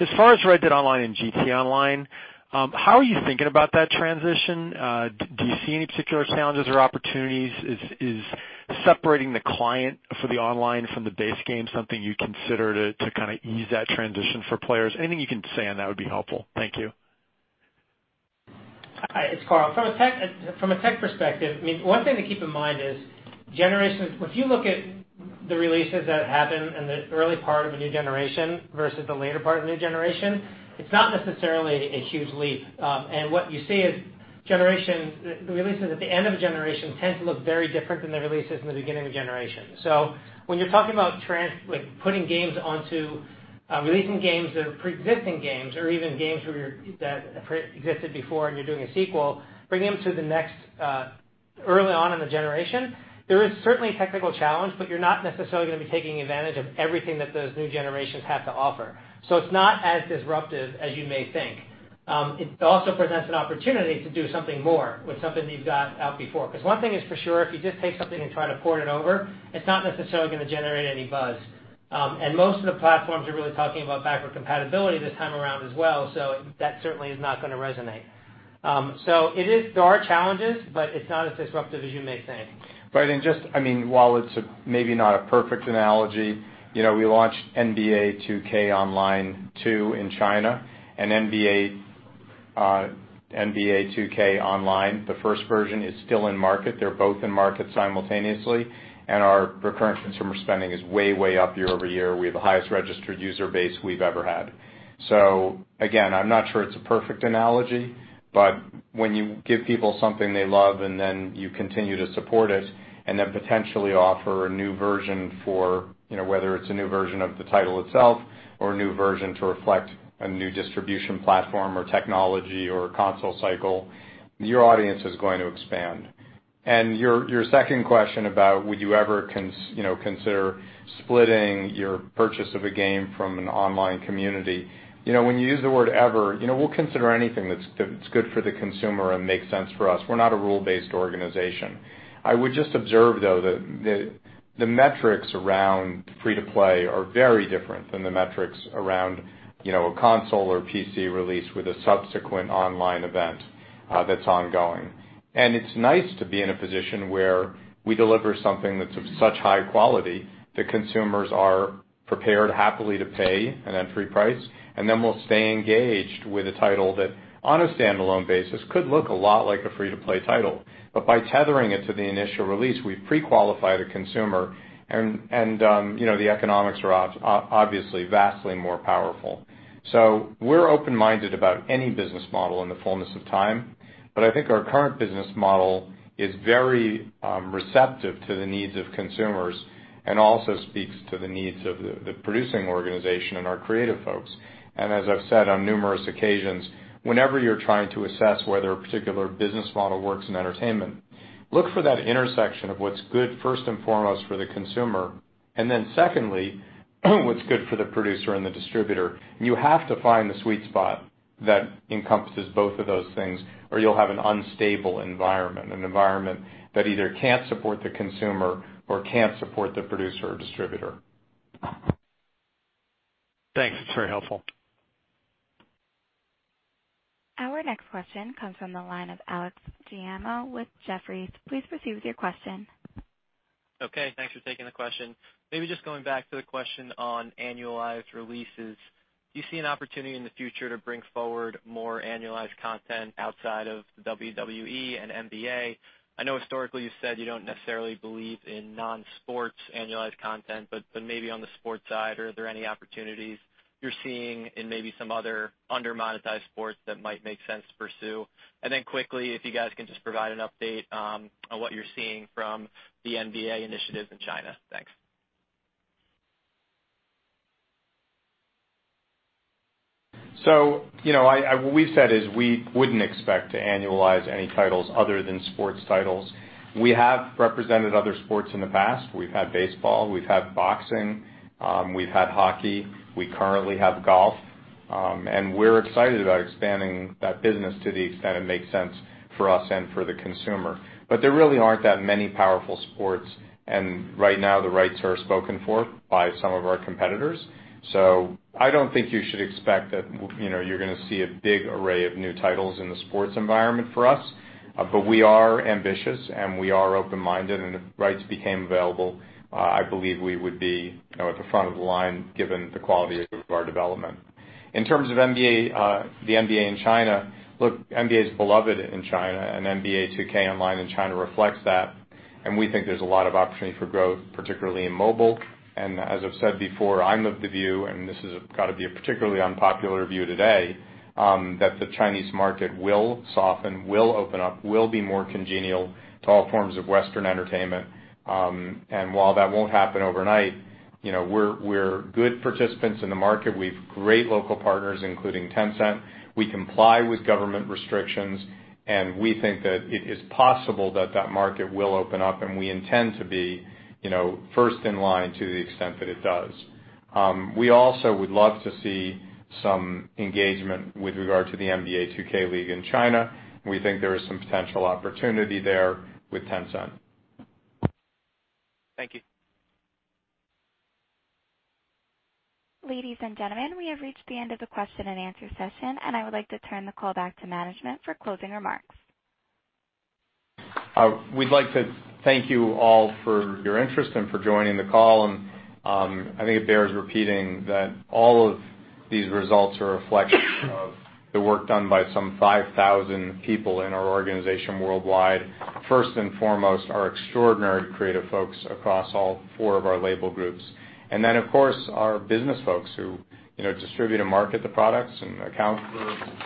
As far as Red Dead Online and GTA Online, how are you thinking about that transition? Do you see any particular challenges or opportunities? Is separating the client for the online from the base game something you'd consider to ease that transition for players? Anything you can say on that would be helpful. Thank you. Hi, it's Karl. From a tech perspective, one thing to keep in mind is generations. If you look at the releases that happen in the early part of a new generation versus the later part of a new generation, it's not necessarily a huge leap. What you see is the releases at the end of a generation tend to look very different than the releases in the beginning of a generation. When you're talking about releasing games that are pre-existing games, or even games that existed before and you're doing a sequel, bring them early on in the generation. There is certainly a technical challenge, but you're not necessarily going to be taking advantage of everything that those new generations have to offer. It's not as disruptive as you may think. It also presents an opportunity to do something more with something that you've got out before, because one thing is for sure, if you just take something and try to port it over, it's not necessarily going to generate any buzz. Most of the platforms are really talking about backward compatibility this time around as well, so that certainly is not going to resonate. There are challenges, but it's not as disruptive as you may think. While it's maybe not a perfect analogy, we launched NBA 2K Online 2 in China and NBA 2K Online, the first version, is still in market. They're both in market simultaneously, our recurrent consumer spending is way up year-over-year. We have the highest registered user base we've ever had. Again, I'm not sure it's a perfect analogy, but when you give people something they love and then you continue to support it, and then potentially offer a new version for, whether it's a new version of the title itself or a new version to reflect a new distribution platform or technology or console cycle, your audience is going to expand. Your second question about would you ever consider splitting your purchase of a game from an online community. When you use the word ever, we'll consider anything that's good for the consumer and makes sense for us. We're not a rule-based organization. I would just observe, though, that the metrics around free-to-play are very different than the metrics around a console or PC release with a subsequent online event that's ongoing. It's nice to be in a position where we deliver something that's of such high quality that consumers are prepared happily to pay an entry price, and then will stay engaged with a title that on a standalone basis could look a lot like a free-to-play title. By tethering it to the initial release, we've pre-qualified a consumer and the economics are obviously vastly more powerful. We're open-minded about any business model in the fullness of time, but I think our current business model is very receptive to the needs of consumers and also speaks to the needs of the producing organization and our creative folks. As I've said on numerous occasions, whenever you're trying to assess whether a particular business model works in entertainment, look for that intersection of what's good, first and foremost, for the consumer, and then secondly, what's good for the producer and the distributor. You have to find the sweet spot that encompasses both of those things, or you'll have an unstable environment, an environment that either can't support the consumer or can't support the producer or distributor. Thanks. That's very helpful. Our next question comes from the line of Alex Giaimo with Jefferies. Please proceed with your question. Okay. Thanks for taking the question. Maybe just going back to the question on annualized releases. Do you see an opportunity in the future to bring forward more annualized content outside of the WWE and NBA? I know historically you said you don't necessarily believe in non-sports annualized content, but maybe on the sports side, are there any opportunities you're seeing in maybe some other under-monetized sports that might make sense to pursue? Quickly, if you guys can just provide an update on what you're seeing from the NBA initiatives in China. Thanks. What we've said is we wouldn't expect to annualize any titles other than sports titles. We have represented other sports in the past. We've had baseball, we've had boxing, we've had hockey. We currently have golf. We're excited about expanding that business to the extent it makes sense for us and for the consumer. There really aren't that many powerful sports, and right now the rights are spoken for by some of our competitors. I don't think you should expect that you're going to see a big array of new titles in the sports environment for us. We are ambitious, and we are open-minded, and if rights became available, I believe we would be at the front of the line given the quality of our development. In terms of the NBA in China, look, NBA's beloved in China. NBA 2K Online in China reflects that. We think there's a lot of opportunity for growth, particularly in mobile. As I've said before, I'm of the view, and this has got to be a particularly unpopular view today, that the Chinese market will soften, will open up, will be more congenial to all forms of Western entertainment. While that won't happen overnight, we're good participants in the market. We've great local partners, including Tencent. We comply with government restrictions. We think that it is possible that that market will open up. We intend to be first in line to the extent that it does. We also would love to see some engagement with regard to the NBA 2K League in China. We think there is some potential opportunity there with Tencent. Thank you. Ladies and gentlemen, we have reached the end of the question and answer session, and I would like to turn the call back to management for closing remarks. We'd like to thank you all for your interest and for joining the call. I think it bears repeating that all of these results are a reflection of the work done by some 5,000 people in our organization worldwide. First and foremost, our extraordinary creative folks across all four of our label groups. Then, of course, our business folks who distribute and market the products and account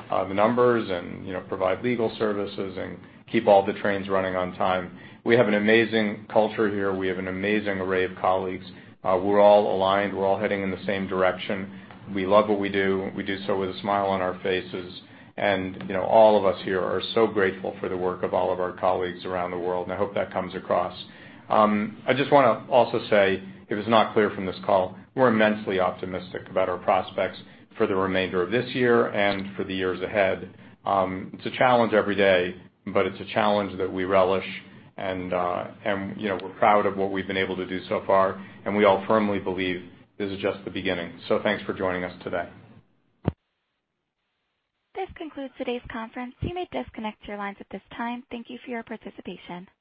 for the numbers and provide legal services and keep all the trains running on time. We have an amazing culture here. We have an amazing array of colleagues. We're all aligned. We're all heading in the same direction. We love what we do. We do so with a smile on our faces. All of us here are so grateful for the work of all of our colleagues around the world, and I hope that comes across. I just want to also say, if it's not clear from this call, we're immensely optimistic about our prospects for the remainder of this year and for the years ahead. It's a challenge every day, but it's a challenge that we relish and we're proud of what we've been able to do so far, and we all firmly believe this is just the beginning. Thanks for joining us today. This concludes today's conference. You may disconnect your lines at this time. Thank you for your participation.